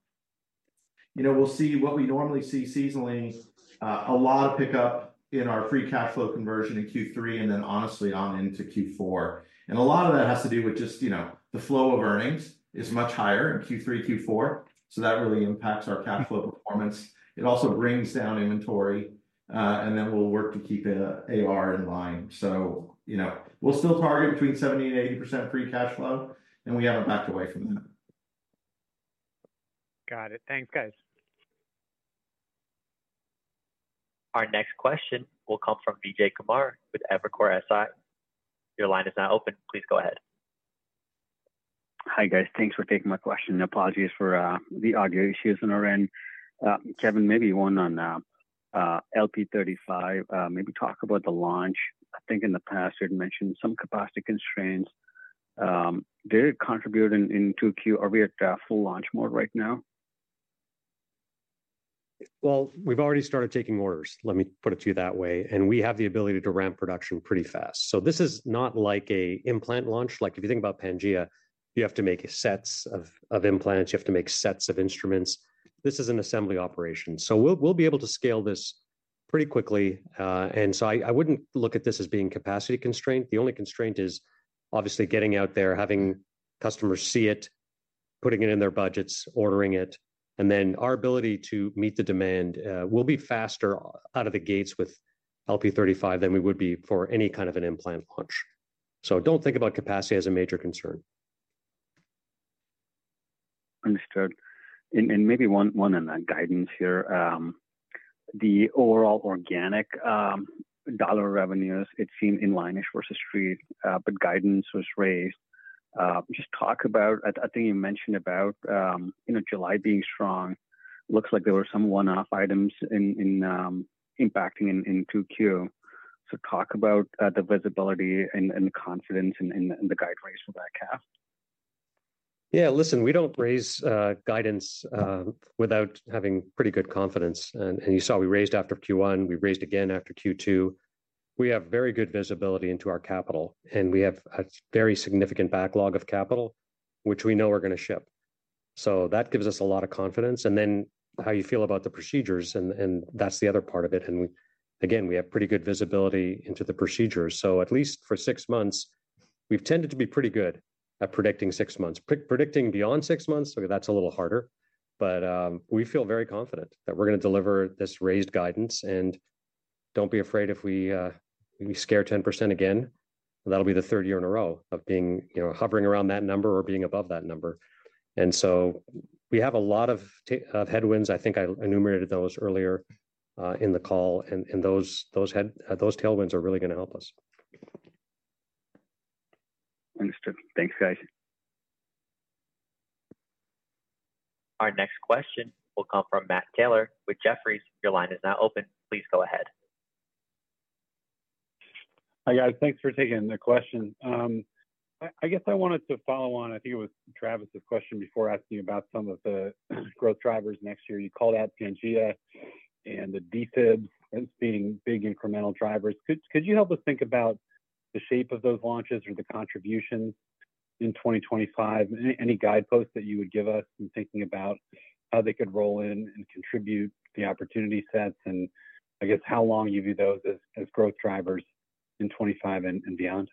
we'll see what we normally see seasonally, a lot of pickup in our free cash flow conversion in Q3 and then honestly on into Q4. And a lot of that has to do with just, you know, the flow of earnings is much higher in Q3, Q4. So that really impacts our cash flow performance. It also brings down inventory. And then we'll work to keep AR in line. So, you know, we'll still target between 70% and 80% free cash flow. And we haven't backed away from that. Got it. Thanks, guys. Our next question will come from Vijay Kumar with Evercore ISI. Your line is now open. Please go ahead. Hi guys. Thanks for taking my question. Apologies for the audio issues on our end. Kevin, maybe one on LIFEPAK 35, maybe talk about the launch. I think in the past you had mentioned some capacity constraints. Did it contribute into Q or we at full launch mode right now? Well, we've already started taking orders. Let me put it to you that way. And we have the ability to ramp production pretty fast. So this is not like an implant launch. Like if you think about Pangea, you have to make sets of implants. You have to make sets of instruments. This is an assembly operation. So we'll be able to scale this pretty quickly. And so I wouldn't look at this as being capacity constraint. The only constraint is obviously getting out there, having customers see it, putting it in their budgets, ordering it. And then our ability to meet the demand will be faster out of the gates with LP35 than we would be for any kind of an implant launch. So don't think about capacity as a major concern. Understood. And maybe one on that guidance here. The overall organic dollar revenues, it seemed in line-ish versus street, but guidance was raised. Just talk about, I think you mentioned about, you know, July being strong. Looks like there were some one-off items impacting in Q/Q. So talk about the visibility and the confidence and the guidance for that Q4. Yeah, listen, we don't raise guidance without having pretty good confidence. And you saw we raised after Q1. We raised again after Q2. We have very good visibility into our capital. And we have a very significant backlog of capital, which we know we're going to ship. So that gives us a lot of confidence. And then how you feel about the procedures, and that's the other part of it. And again, we have pretty good visibility into the procedures. So at least for six months, we've tended to be pretty good at predicting six months. Predicting beyond six months, that's a little harder. But we feel very confident that we're going to deliver this raised guidance. And don't be afraid if we score 10% again, that'll be the third year in a row of being, you know, hovering around that number or being above that number. And so we have a lot of headwinds. I think I enumerated those earlier in the call. And those tailwinds are really going to help us. Understood. Thanks, guys. Our next question will come from Matt Taylor with Jefferies. Your line is now open. Please go ahead. Hi guys. Thanks for taking the question. I guess I wanted to follow on. I think it was Travis's question before asking about some of the growth drivers next year. You called out Pangea and the defibs as being big incremental drivers. Could you help us think about the shape of those launches or the contributions in 2025? Any guideposts that you would give us in thinking about how they could roll in and contribute the opportunity sets? And I guess how long you view those as growth drivers in 2025 and beyond?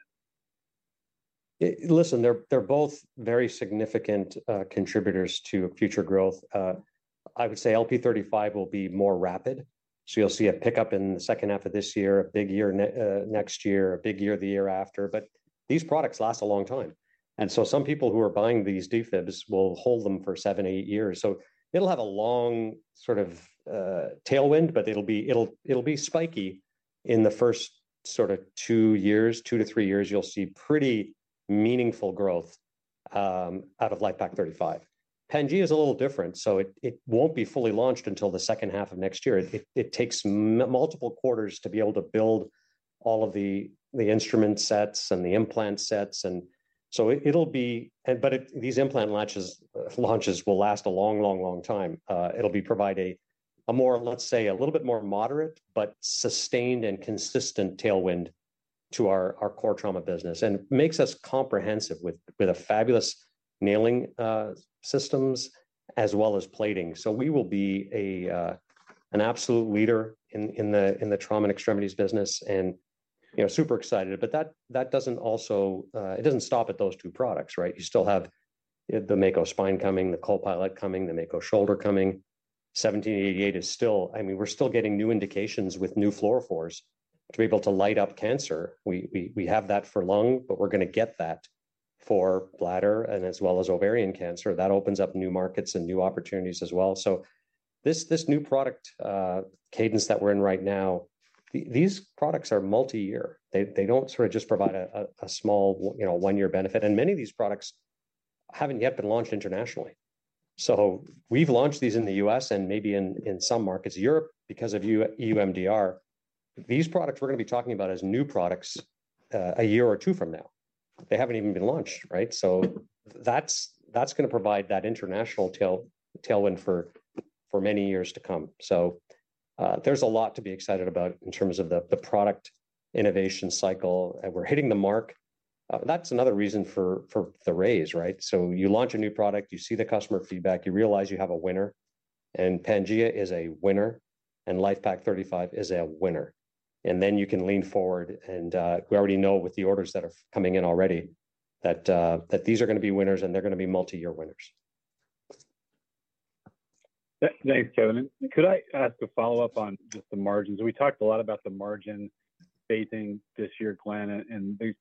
Listen, they're both very significant contributors to future growth. I would say LIFEPAK 35 will be more rapid. So you'll see a pickup in the second half of this year, a big year next year, a big year the year after. But these products last a long time. And so some people who are buying these defibs will hold them for seven, eight years. So it'll have a long sort of tailwind, but it'll be spiky in the first sort of two years, two to three years, you'll see pretty meaningful growth out of LIFEPAK 35. Pangea is a little different. So it won't be fully launched until the second half of next year. It takes multiple quarters to be able to build all of the instrument sets and the implant sets. And so it'll be, but these implant launches will last a long, long, long time. It'll provide a more, let's say, a little bit more moderate, but sustained and consistent tailwind to our core trauma business and makes us comprehensive with fabulous nailing systems as well as plating. So we will be an absolute leader in the trauma and extremities business and, you know, super excited. But that doesn't also, it doesn't stop at those two products, right? You still have the Mako Spine coming, the Copilot coming, the Mako Shoulder coming. 1788 is still, I mean, we're still getting new indications with new fluorophores to be able to light up cancer. We have that for lung, but we're going to get that for bladder and as well as ovarian cancer. That opens up new markets and new opportunities as well. So this new product cadence that we're in right now, these products are multi-year. They don't sort of just provide a small, you know, one-year benefit. And many of these products haven't yet been launched internationally. So we've launched these in the U.S. and maybe in some markets, Europe, because of EU MDR. These products we're going to be talking about as new products a year or two from now. They haven't even been launched, right? So that's going to provide that international tailwind for many years to come. So there's a lot to be excited about in terms of the product innovation cycle. We're hitting the mark. That's another reason for the raise, right? So you launch a new product, you see the customer feedback, you realize you have a winner. And Pangea is a winner and LIFEPAK 35 is a winner. And then you can lean forward and we already know with the orders that are coming in already that these are going to be winners and they're going to be multi-year winners. Thanks, Kevin. Could I ask a follow-up on just the margins? We talked a lot about the margin spacing this year plan and the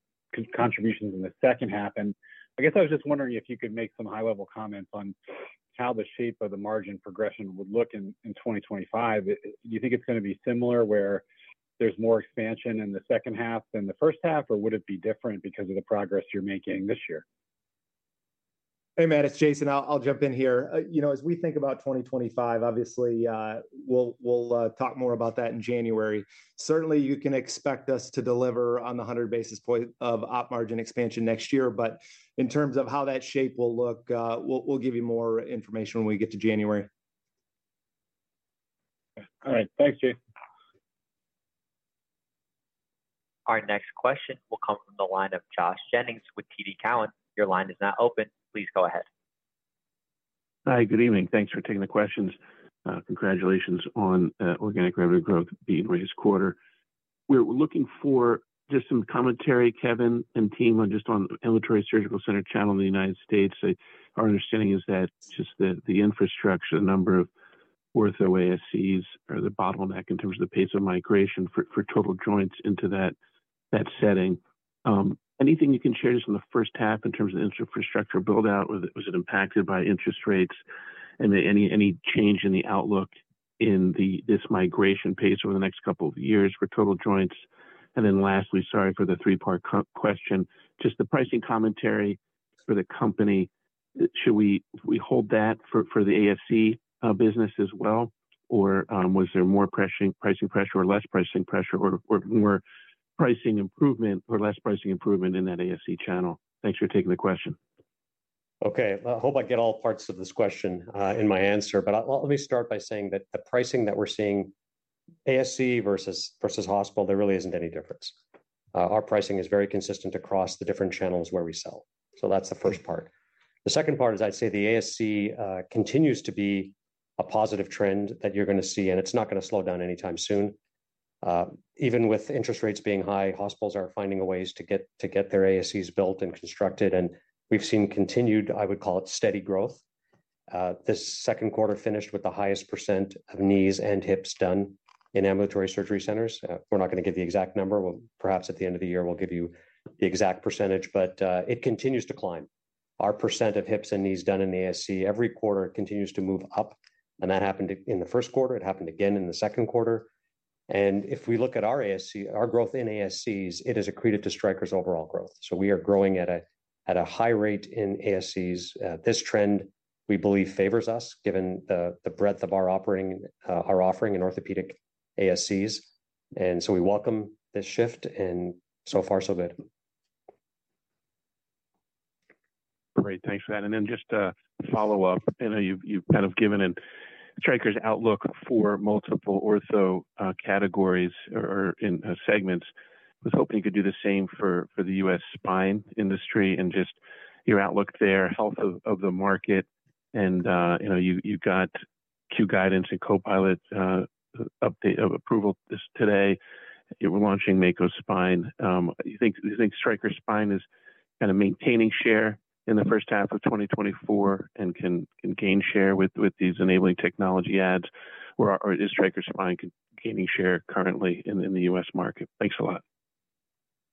contributions in the second half. I guess I was just wondering if you could make some high-level comments on how the shape of the margin progression would look in 2025. Do you think it's going to be similar where there's more expansion in the second half than the first half, or would it be different because of the progress you're making this year? Hey, Matt, it's Jason. I'll jump in here. You know, as we think about 2025, obviously, we'll talk more about that in January. Certainly, you can expect us to deliver on the 100 basis points of op margin expansion next year. In terms of how that shape will look, we'll give you more information when we get to January. All right. Thanks, Jason. Our next question will come from the line of Josh Jennings with TD Cowen. Your line is now open. Please go ahead. Hi, good evening. Thanks for taking the questions. Congratulations on organic revenue growth being raised this quarter. We're looking for just some commentary, Kevin and team, just on the Ambulatory Surgical Center channel in the United States. Our understanding is that just the infrastructure, the number of ortho ASCs are the bottleneck in terms of the pace of migration for total joints into that setting. Anything you can share just in the first half in terms of the infrastructure buildout? Was it impacted by interest rates? And any change in the outlook in this migration pace over the next couple of years for total joints? And then lastly, sorry for the three-part question, just the pricing commentary for the company, should we hold that for the ASC business as well? Or was there more pricing pressure or less pricing pressure or more pricing improvement or less pricing improvement in that ASC channel? Thanks for taking the question. Okay. I hope I get all parts of this question in my answer. But let me start by saying that the pricing that we're seeing, ASC versus hospital, there really isn't any difference. Our pricing is very consistent across the different channels where we sell. So that's the first part. The second part is I'd say the ASC continues to be a positive trend that you're going to see. And it's not going to slow down anytime soon. Even with interest rates being high, hospitals are finding ways to get their ASCs built and constructed. And we've seen continued, I would call it steady growth. This second quarter finished with the highest percent of knees and hips done in ambulatory surgery centers. We're not going to give the exact number. Perhaps at the end of the year, we'll give you the exact percentage. But it continues to climb. Our percent of hips and knees done in the ASC every quarter continues to move up. That happened in the first quarter. It happened again in the second quarter. If we look at our ASC, our growth in ASCs, it has accreted to Stryker's overall growth. We are growing at a high rate in ASCs. This trend, we believe, favors us given the breadth of our offering in orthopedic ASCs. We welcome this shift. So far, so good. Great. Thanks for that. Then just a follow-up. I know you've kind of given Stryker's outlook for multiple ortho categories or segments. I was hoping you could do the same for the U.S. spine industry and just your outlook there, health of the market. And you got Q Guidance and Copilot update of approval today. You were launching Mako Spine. Do you think Stryker Spine is kind of maintaining share in the first half of 2024 and can gain share with these enabling technology adds? Or is Stryker Spine gaining share currently in the U.S. market? Thanks a lot.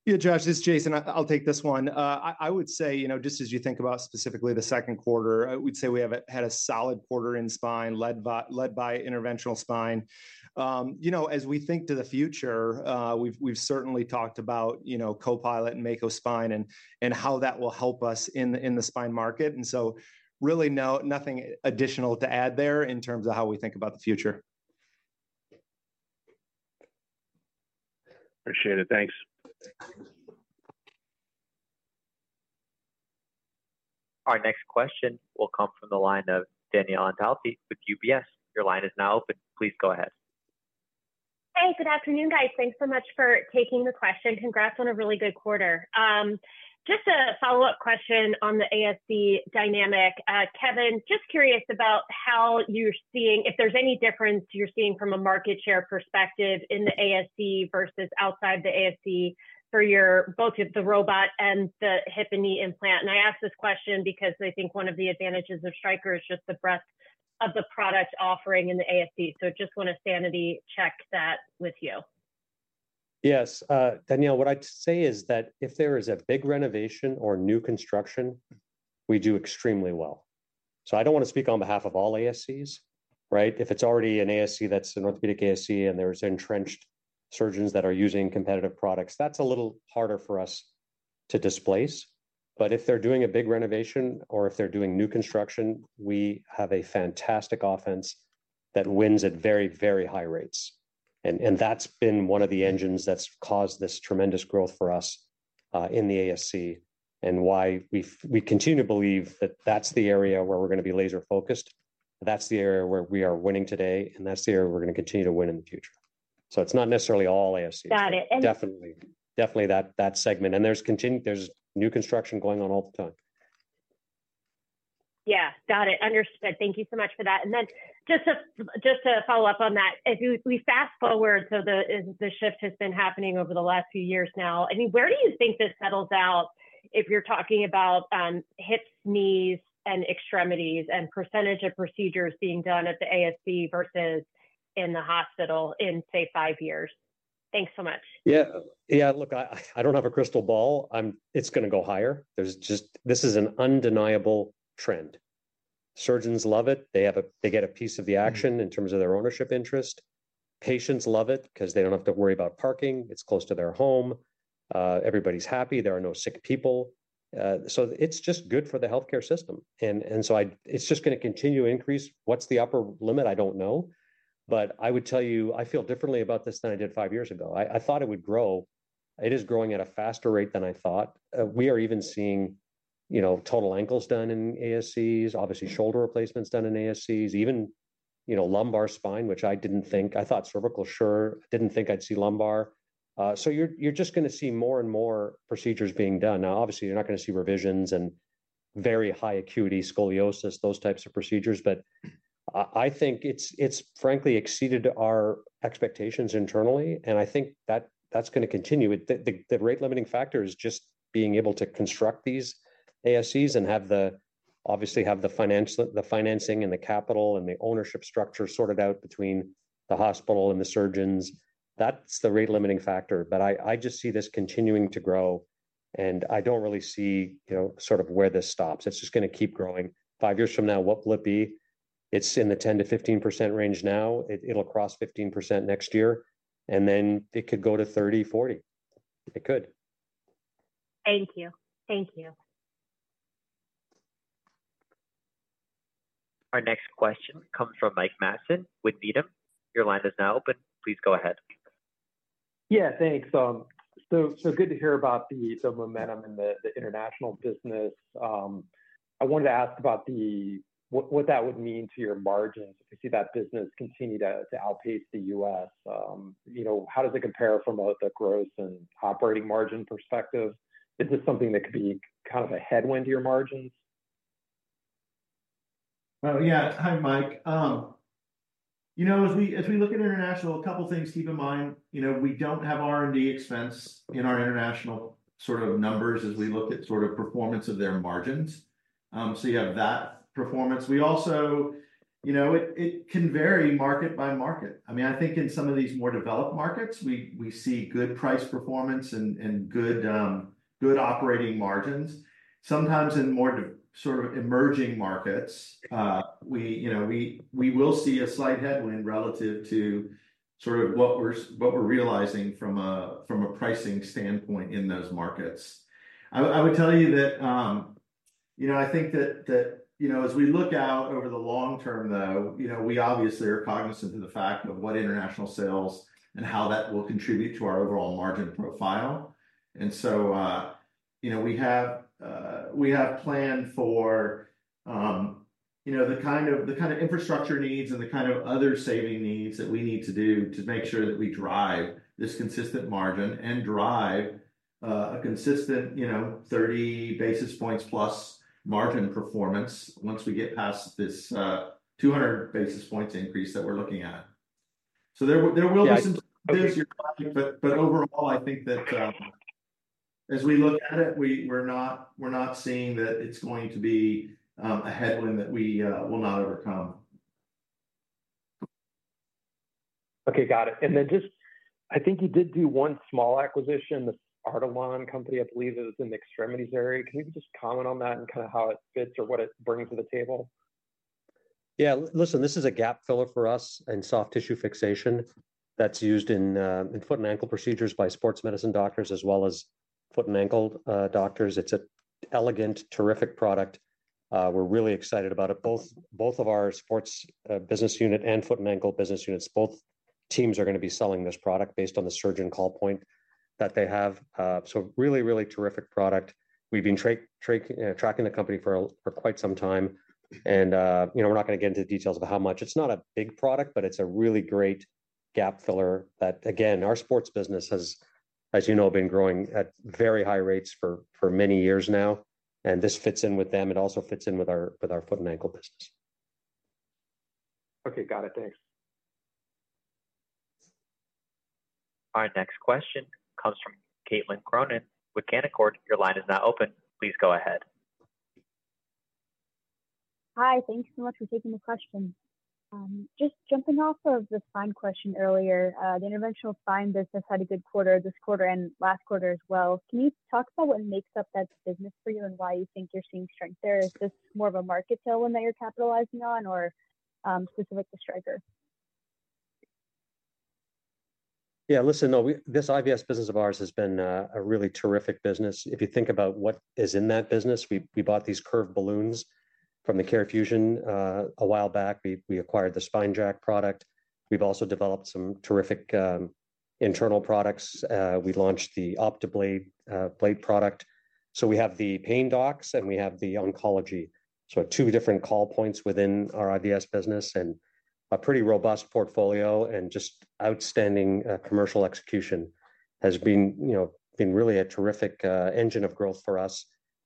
Yeah, Josh, this is Jason. I'll take this one. I would say, you know, just as you think about specifically the second quarter, I would say we have had a solid quarter in spine led by Interventional Spine. You know, as we think to the future, we've certainly talked about, you know, Copilot and Mako Spine and how that will help us in the spine market. And so really nothing additional to add there in terms of how we think about the future. Appreciate it. Thanks. Our next question will come from the line of Danielle Antalffy with UBS. Your line is now open. Please go ahead. Hey, good afternoon, guys. Thanks so much for taking the question. Congrats on a really good quarter. Just a follow-up question on the ASC dynamic. Kevin, just curious about how you're seeing if there's any difference you're seeing from a market share perspective in the ASC versus outside the ASC for both the robot and the hip and knee implant. And I asked this question because I think one of the advantages of Stryker is just the breadth of the product offering in the ASC. So I just want to sanity check that with you. Yes. Danielle, what I'd say is that if there is a big renovation or new construction, we do extremely well. So I don't want to speak on behalf of all ASCs, right? If it's already an ASC that's an orthopedic ASC and there's entrenched surgeons that are using competitive products, that's a little harder for us to displace. But if they're doing a big renovation or if they're doing new construction, we have a fantastic offense that wins at very, very high rates. And that's been one of the engines that's caused this tremendous growth for us in the ASC and why we continue to believe that that's the area where we're going to be laser-focused. That's the area where we are winning today. And that's the area we're going to continue to win in the future. So it's not necessarily all ASC. Got it. Definitely. Definitely that segment. There's new construction going on all the time. Yeah. Got it. Understood. Thank you so much for that. Then just to follow up on that, if we fast forward, so the shift has been happening over the last few years now. I mean, where do you think this settles out if you're talking about hips, knees, and extremities and percentage of procedures being done at the ASC versus in the hospital in, say, five years? Thanks so much. Yeah. Yeah. Look, I don't have a crystal ball. It's going to go higher. This is an undeniable trend. Surgeons love it. They get a piece of the action in terms of their ownership interest. Patients love it because they don't have to worry about parking. It's close to their home. Everybody's happy. There are no sick people. So it's just good for the healthcare system. And so it's just going to continue to increase. What's the upper limit? I don't know. But I would tell you, I feel differently about this than I did five years ago. I thought it would grow. It is growing at a faster rate than I thought. We are even seeing, you know, total ankles done in ASCs, obviously shoulder replacements done in ASCs, even, you know, lumbar spine, which I didn't think. I thought cervical, sure. I didn't think I'd see lumbar. So you're just going to see more and more procedures being done. Now, obviously, you're not going to see revisions and very high acuity scoliosis, those types of procedures. But I think it's frankly exceeded our expectations internally. And I think that that's going to continue. The rate-limiting factor is just being able to construct these ASCs and obviously have the financing and the capital and the ownership structure sorted out between the hospital and the surgeons. That's the rate-limiting factor. But I just see this continuing to grow. And I don't really see, you know, sort of where this stops. It's just going to keep growing. Five years from now, what will it be? It's in the 10%-15% range now. It'll cross 15% next year. And then it could go to 30%, 40%. It could. Thank you. Thank you. Our next question comes from Mike Matson with Needham & Company. Your line is now open. Please go ahead. Yeah, thanks. So good to hear about the momentum in the international business. I wanted to ask about what that would mean to your margins if you see that business continue to outpace the U.S. You know, how does it compare from a growth and operating margin perspective? Is this something that could be kind of a headwind to your margins? Well, yeah. Hi, Mike. You know, as we look at international, a couple of things to keep in mind. You know, we don't have R&D expense in our international sort of numbers as we look at sort of performance of their margins. So you have that performance. We also, you know, it can vary market by market. I mean, I think in some of these more developed markets, we see good price performance and good operating margins. Sometimes in more sort of emerging markets, you know, we will see a slight headwind relative to sort of what we're realizing from a pricing standpoint in those markets. I would tell you that, you know, I think that, you know, as we look out over the long term, though, you know, we obviously are cognizant of the fact of what international sales and how that will contribute to our overall margin profile. And so, you know, we have planned for, you know, the kind of infrastructure needs and the kind of other saving needs that we need to do to make sure that we drive this consistent margin and drive a consistent, you know, 30 basis points plus margin performance once we get past this 200 basis points increase that we're looking at. So there will be some positives, but overall, I think that as we look at it, we're not seeing that it's going to be a headwind that we will not overcome. Okay. Got it. And then just, I think you did do one small acquisition, the Artelon company, I believe it was in the extremities area. Can you just comment on that and kind of how it fits or what it brings to the table? Yeah. Listen, this is a gap filler for us in soft tissue fixation that's used in foot and ankle procedures by sports medicine doctors as well as foot and ankle doctors. It's an elegant, terrific product. We're really excited about it. Both of our Sports Business unit and foot and ankle business units, both teams are going to be selling this product based on the surgeon call point that they have. So really, really terrific product. We've been tracking the company for quite some time. And, you know, we're not going to get into the details of how much. It's not a big product, but it's a really great gap filler that, again, our Sports Business has, as you know, been growing at very high rates for many years now. And this fits in with them. It also fits in with our foot and ankle business. Okay. Got it. Thanks. Our next question comes from Caitlin Cronin with Canaccord Genuity. Your line is now open. Please go ahead. Hi. Thank you so much for taking the question. Just jumping off of the spine question earlier, the Interventional Spine business had a good quarter this quarter and last quarter as well. Can you talk about what makes up that business for you and why you think you're seeing strength there? Is this more of a market share one that you're capitalizing on or specific to Stryker? Yeah. Listen, this IVS business of ours has been a really terrific business. If you think about what is in that business, we bought these curve balloons from the CareFusion a while back. We acquired the SpineJack product. We've also developed some terrific internal products. We launched the OptaBlate blade product. So we have the pain docs and we have the oncology. So two different call points within our IVS business and a pretty robust portfolio and just outstanding commercial execution has been really a terrific engine of growth for us.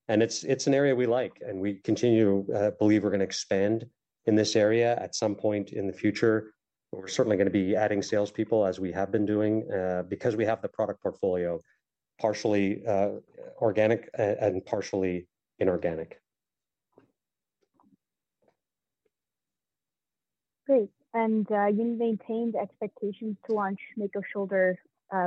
And it's an area we like. And we continue to believe we're going to expand in this area at some point in the future. We're certainly going to be adding salespeople as we have been doing because we have the product portfolio partially organic and partially inorganic. Great. And you maintained expectations to launch Mako Shoulder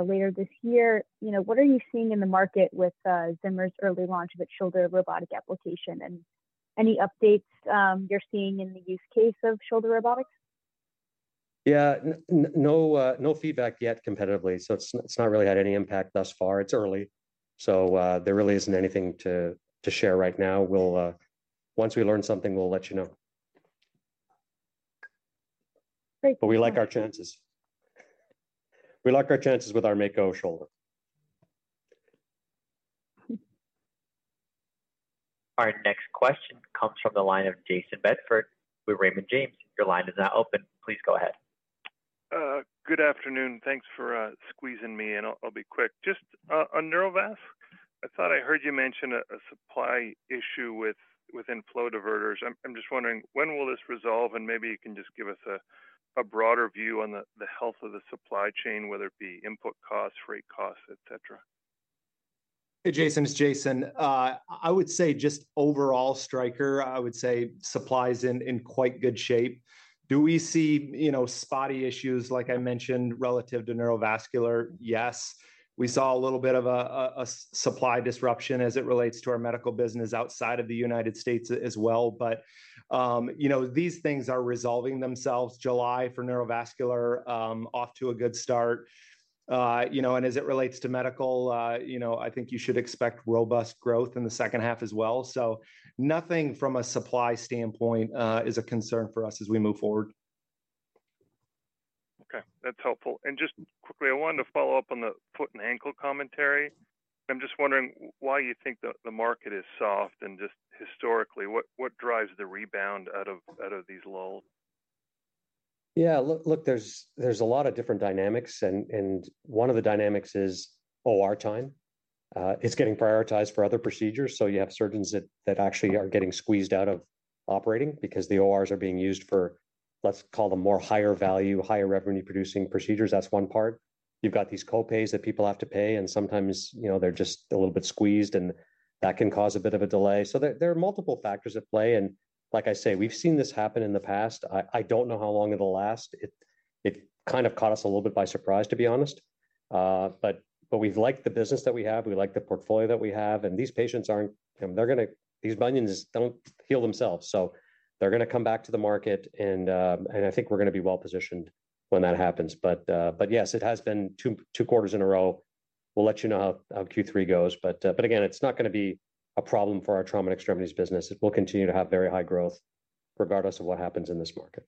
later this year. You know, what are you seeing in the market with Zimmer Biomet's early launch of its shoulder robotic application and any updates you're seeing in the use case of shoulder robotics? Yeah. No feedback yet competitively. So it's not really had any impact thus far. It's early. So there really isn't anything to share right now. Once we learn something, we'll let you know. Great. But we like our chances. We like our chances with our Mako Shoulder. Our next question comes from the line of Jayson Bedford with Raymond James. Your line is now open. Please go ahead. Good afternoon. Thanks for squeezing me. I'll be quick. Just on Neurovascular, I thought I heard you mention a supply issue within Flow Diverters. I'm just wondering, when will this resolve? And maybe you can just give us a broader view on the health of the supply chain, whether it be input costs, freight costs, etc. Hey, Jayson, it's Jason. I would say just overall Stryker, I would say supplies in quite good shape. Do we see, you know, spotty issues like I mentioned relative to Neurovascular? Yes. We saw a little bit of a supply disruption as it relates to our Medical Business outside of the United States as well. But, you know, these things are resolving themselves. July for Neurovascular off to a good start. You know, and as it relates to medical, you know, I think you should expect robust growth in the second half as well. So nothing from a supply standpoint is a concern for us as we move forward. Okay. That's helpful. And just quickly, I wanted to follow up on the foot and ankle commentary. I'm just wondering why you think the market is soft and just historically, what drives the rebound out of these lulls? Yeah. Look, there's a lot of different dynamics. One of the dynamics is OR time. It's getting prioritized for other procedures. You have surgeons that actually are getting squeezed out of operating because the ORs are being used for, let's call them more higher value, higher revenue producing procedures. That's one part. You've got these copays that people have to pay. Sometimes, you know, they're just a little bit squeezed. That can cause a bit of a delay. There are multiple factors at play. Like I say, we've seen this happen in the past. I don't know how long it'll last. It kind of caught us a little bit by surprise, to be honest. We've liked the business that we have. We like the portfolio that we have. These patients aren't, you know, they're going to, these bunions don't heal themselves. They're going to come back to the market. I think we're going to be well positioned when that happens. Yes, it has been two quarters in a row. We'll let you know how Q3 goes. Again, it's not going to be a problem for our trauma and extremities business. We'll continue to have very high growth regardless of what happens in this market.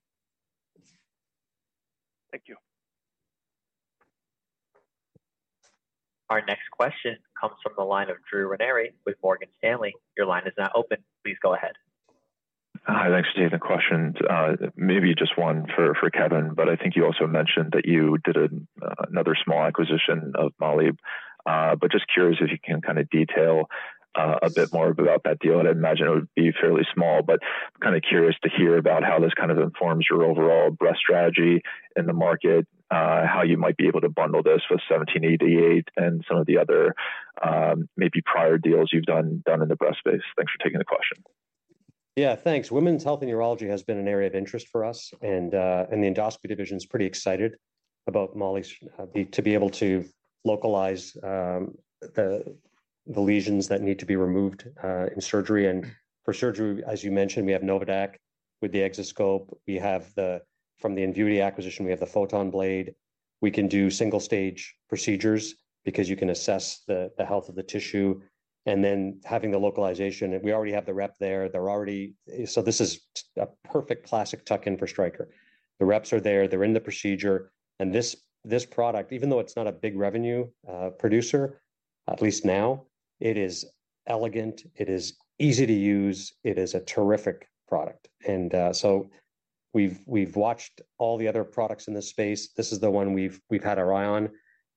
Thank you. Our next question comes from the line of Drew Ranieri with Morgan Stanley. Your line is now open. Please go ahead. Hi. Thanks, Steve. The question, maybe just one for Kevin, but I think you also mentioned that you did another small acquisition of MOLLI. But just curious if you can kind of detail a bit more about that deal. I imagine it would be fairly small, but kind of curious to hear about how this kind of informs your overall breast strategy in the market, how you might be able to bundle this with 1788 and some of the other maybe prior deals you've done in the breast space. Thanks for taking the question. Yeah, thanks. Women's health and urology has been an area of interest for us. And the Endoscopy division is pretty excited about MOLLI to be able to localize the lesions that need to be removed in surgery. And for surgery, as you mentioned, we have Novadaq with the Exoscope. We have the, from the Invuity acquisition, we have the PhotonBlade. We can do single-stage procedures because you can assess the health of the tissue. And then having the localization, we already have the rep there. So this is a perfect classic tuck-in for Stryker. The reps are there. They're in the procedure. And this product, even though it's not a big revenue producer, at least now, it is elegant. It is easy to use. It is a terrific product. And so we've watched all the other products in this space. This is the one we've had our eye on.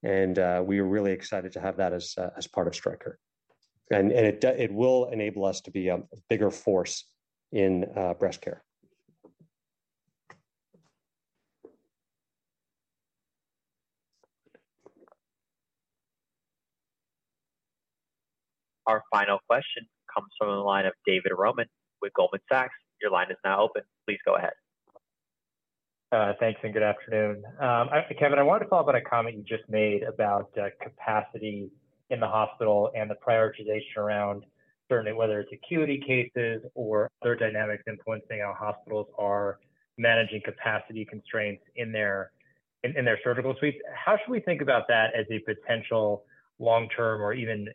We are really excited to have that as part of Stryker. It will enable us to be a bigger force in breast care. Our final question comes from the line of David Roman with Goldman Sachs. Your line is now open. Please go ahead. Thanks and good afternoon. Kevin, I wanted to follow up on a comment you just made about capacity in the hospital and the prioritization around certainly whether it's acuity cases or other dynamics influencing how hospitals are managing capacity constraints in their surgical suites. How should we think about that as a potential long-term or even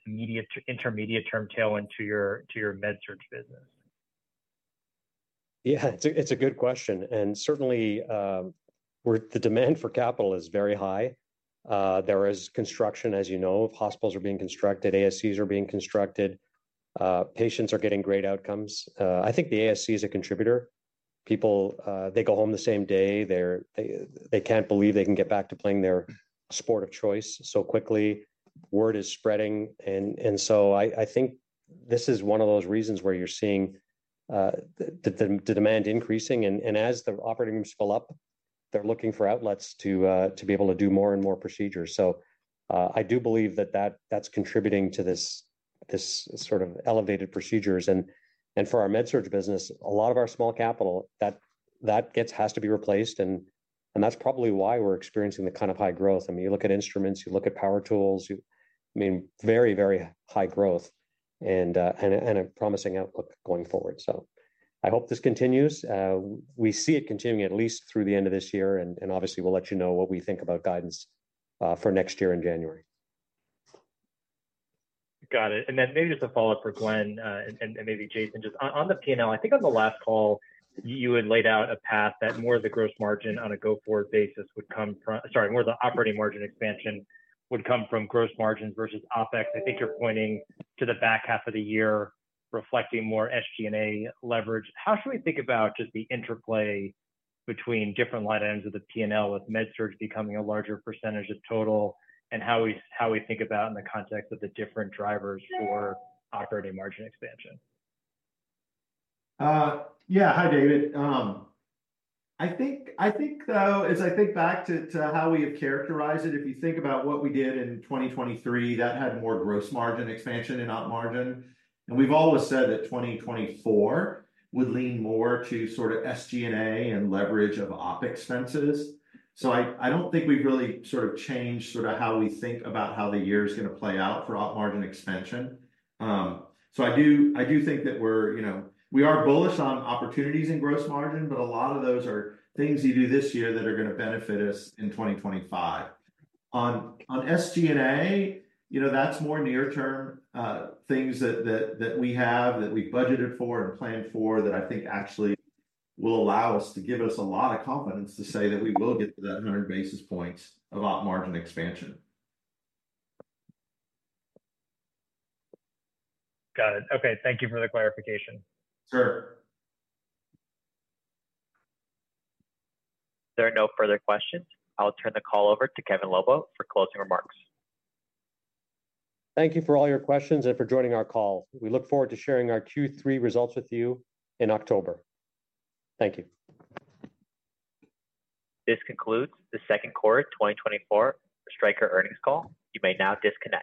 intermediate-term tailwind to your MedSurg business? Yeah, it's a good question. Certainly, the demand for capital is very high. There is construction, as you know, hospitals are being constructed, ASCs are being constructed. Patients are getting great outcomes. I think the ASC is a contributor. People, they go home the same day. They can't believe they can get back to playing their sport of choice so quickly. Word is spreading. So I think this is one of those reasons where you're seeing the demand increasing. As the operating rooms fill up, they're looking for outlets to be able to do more and more procedures. So I do believe that that's contributing to this sort of elevated procedures. For our MedSurg business, a lot of our small capital that has to be replaced. That's probably why we're experiencing the kind of high growth. I mean, you look at instruments, you look at power tools, I mean, very, very high growth and a promising outlook going forward. So I hope this continues. We see it continuing at least through the end of this year. And obviously, we'll let you know what we think about guidance for next year in January. Got it. And then maybe just a follow-up for Glenn and maybe Jason. Just on the P&L, I think on the last call, you had laid out a path that more of the gross margin on a go-forward basis would come from, sorry, more of the operating margin expansion would come from gross margins versus OpEx. I think you're pointing to the back half of the year reflecting more SG&A leverage. How should we think about just the interplay between different line items of the P&L with MedSurg becoming a larger percentage of total and how we think about in the context of the different drivers for operating margin expansion? Yeah. Hi, David. I think, though, as I think back to how we have characterized it, if you think about what we did in 2023, that had more gross margin expansion and op margin. And we've always said that 2024 would lean more to sort of SG&A and leverage of OpEx expenses. So I don't think we've really sort of changed sort of how we think about how the year is going to play out for op margin expansion. So I do think that we're, you know, we are bullish on opportunities in gross margin, but a lot of those are things you do this year that are going to benefit us in 2025. On SG&A, you know, that's more near-term things that we have that we budgeted for and planned for that I think actually will allow us to give us a lot of confidence to say that we will get to that 100 basis points of op margin expansion. Got it. Okay. Thank you for the clarification. Sure. There are no further questions. I'll turn the call over to Kevin Lobo for closing remarks. Thank you for all your questions and for joining our call. We look forward to sharing our Q3 results with you in October. Thank you. This concludes the second quarter 2024 Stryker earnings call. You may now disconnect.